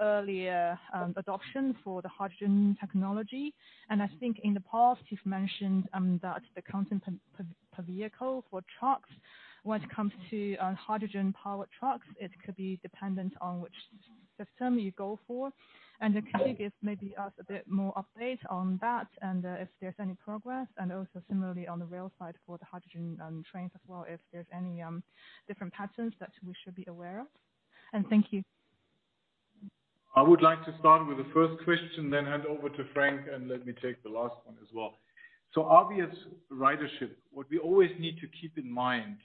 earlier adoption for the hydrogen technology. I think in the past you've mentioned that the content per vehicle for trucks, when it comes to hydrogen powered trucks, it could be dependent on which system you go for. Can you give maybe us a bit more update on that and if there's any progress? Also similarly on the rail side for the hydrogen trains as well, if there's any different patterns that we should be aware of. Thank you. I would like to start with the first question, then hand over to Frank, and let me take the last one as well. Obvious ridership. What we always need to keep in mind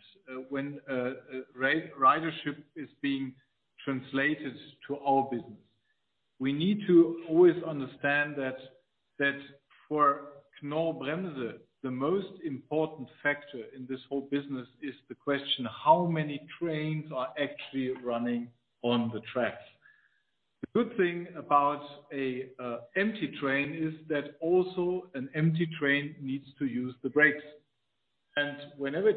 when ridership is being translated to our business, we need to always understand that for Knorr-Bremse, the most important factor in this whole business is the question of how many trains are actually running on the tracks. The good thing about an empty train is that also an empty train needs to use the brakes. Whenever a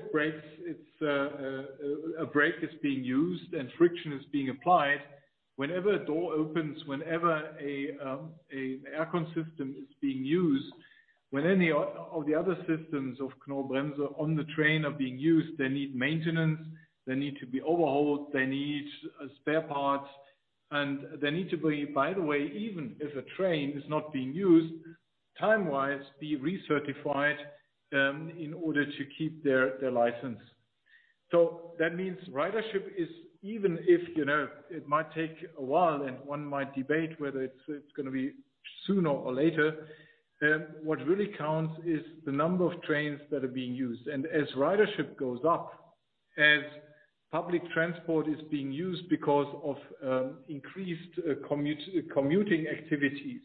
brake is being used and friction is being applied, whenever a door opens, whenever an aircon system is being used, when any of the other systems of Knorr-Bremse on the train are being used, they need maintenance, they need to be overhauled, they need spare parts. By the way, even if a train is not being used time-wise, be recertified in order to keep their license. That means ridership is, even if it might take a while and one might debate whether it's going to be sooner or later, what really counts is the number of trains that are being used. As ridership goes up, as public transport is being used because of increased commuting activities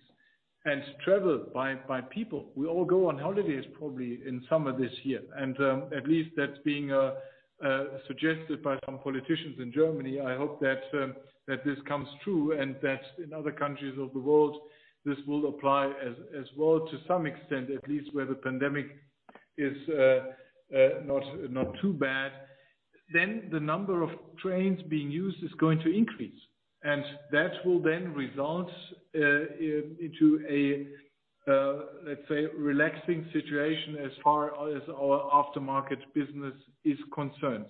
and travel by people, we all go on holidays probably in summer this year. At least that's being suggested by some politicians in Germany. I hope that this comes true, and that in other countries of the world, this will apply as well to some extent, at least where the pandemic is not too bad. The number of trains being used is going to increase, and that will then result into a, let's say, relaxing situation as far as our aftermarket business is concerned.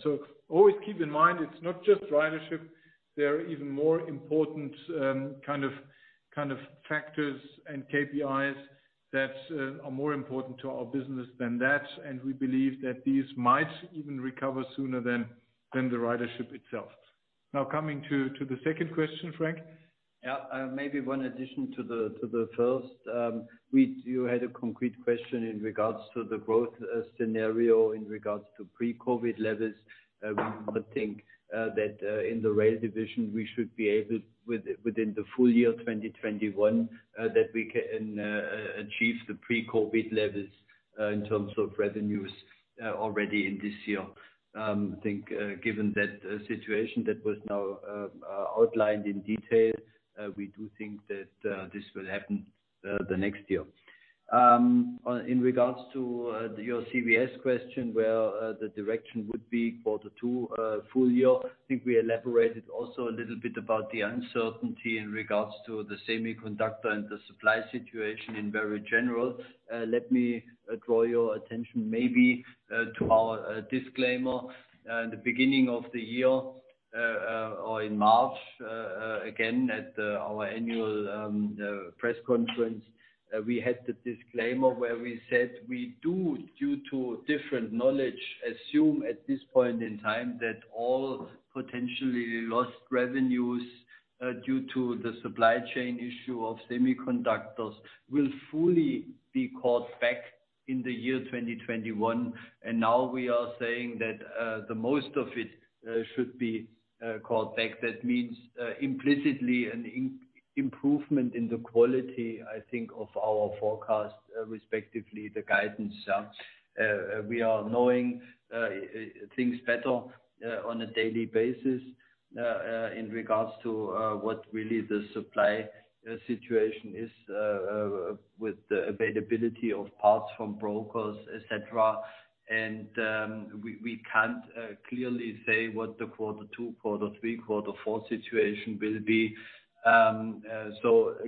Always keep in mind, it's not just ridership. There are even more important kind of factors and KPIs that are more important to our business than that. We believe that these might even recover sooner than the ridership itself. Coming to the second question, Frank. Yeah. Maybe one addition to the first. You had a concrete question in regards to the growth scenario in regards to pre-COVID levels. We now think that in the rail division, we should be able, within the full year 2021, that we can achieve the pre-COVID levels in terms of revenues already in this year. I think, given that situation that was now outlined in detail, we do think that this will happen the next year. In regards to your CVS question, where the direction would be for the two full year, I think we elaborated also a little bit about the uncertainty in regards to the semiconductor and the supply situation in very general. Let me draw your attention maybe to our disclaimer. In the beginning of the year or in March, again, at our annual press conference, we had the disclaimer where we said, we do, due to different knowledge, assume at this point in time that all potentially lost revenues due to the supply chain issue of semiconductors will fully be called back in the year 2021. Now we are saying that the most of it should be called back. That means implicitly an improvement in the quality, I think, of our forecast, respectively, the guidance. We are knowing things better on a daily basis in regards to what really the supply situation is with the availability of parts from brokers, et cetera. We can't clearly say what the quarter two, quarter three, quarter four situation will be.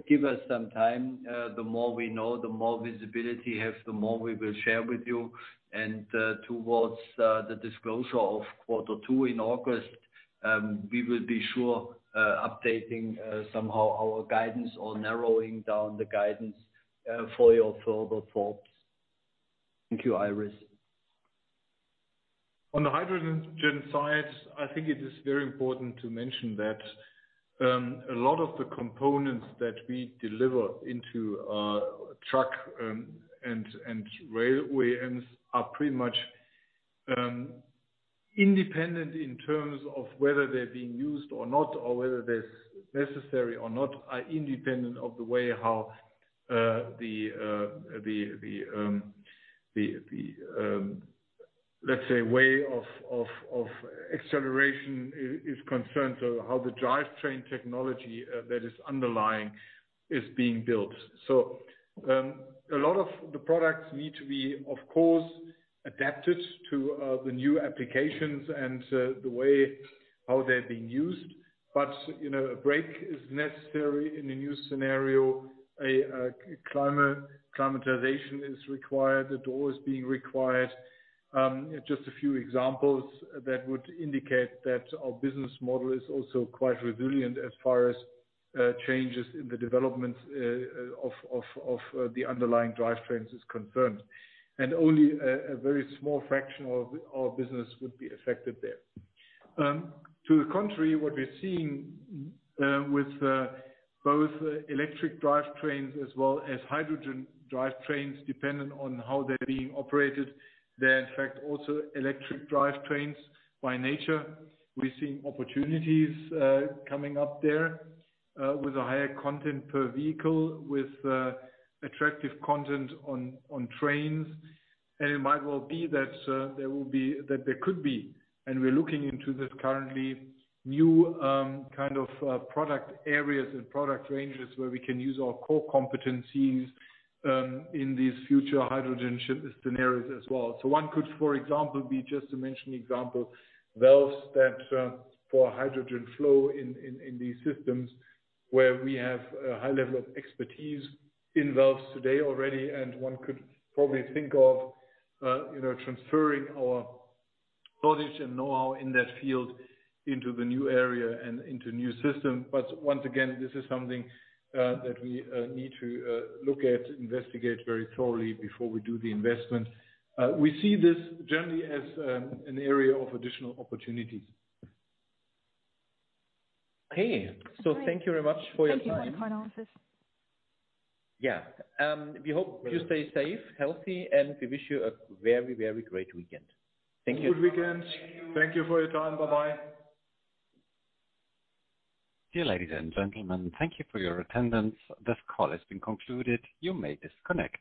Give us some time. The more we know, the more visibility we have, the more we will share with you. Towards the disclosure of quarter two in August, we will be sure updating somehow our guidance or narrowing down the guidance for your further thoughts. Thank you, Iris. On the hydrogen side, I think it is very important to mention that a lot of the components that we deliver into truck and railway are pretty much independent in terms of whether they're being used or not, or whether they're necessary or not, are independent of the way how the, let's say, way of acceleration is concerned, how the drivetrain technology that is underlying is being built. A lot of the products need to be, of course, adapted to the new applications and the way how they're being used. A brake is necessary in a new scenario. A climatization is required, a door is being required. Just a few examples that would indicate that our business model is also quite resilient as far as changes in the development of the underlying drivetrains is concerned. Only a very small fraction of our business would be affected there. To the contrary, what we're seeing with both electric drivetrains as well as hydrogen drivetrains, dependent on how they're being operated, they're in fact also electric drivetrains by nature. We're seeing opportunities coming up there with a higher content per vehicle, with attractive content on trains. It might well be that there could be, and we're looking into this currently, new kind of product areas and product ranges where we can use our core competencies in these future hydrogen scenarios as well. One could, for example, be just to mention example, valves that for hydrogen flow in these systems where we have a high level of expertise in valves today already, and one could probably think of transferring our knowledge and know-how in that field into the new area and into new systems. Once again, this is something that we need to look at, investigate very thoroughly before we do the investment. We see this generally as an area of additional opportunities. Okay. Thank you very much for your time. Thank you, one final assist. Yeah. We hope you stay safe, healthy, and we wish you a very, very great weekend. Thank you. Good weekend. Thank you for your time. Bye-bye. Dear ladies and gentlemen, thank you for your attendance. This call has been concluded. You may disconnect.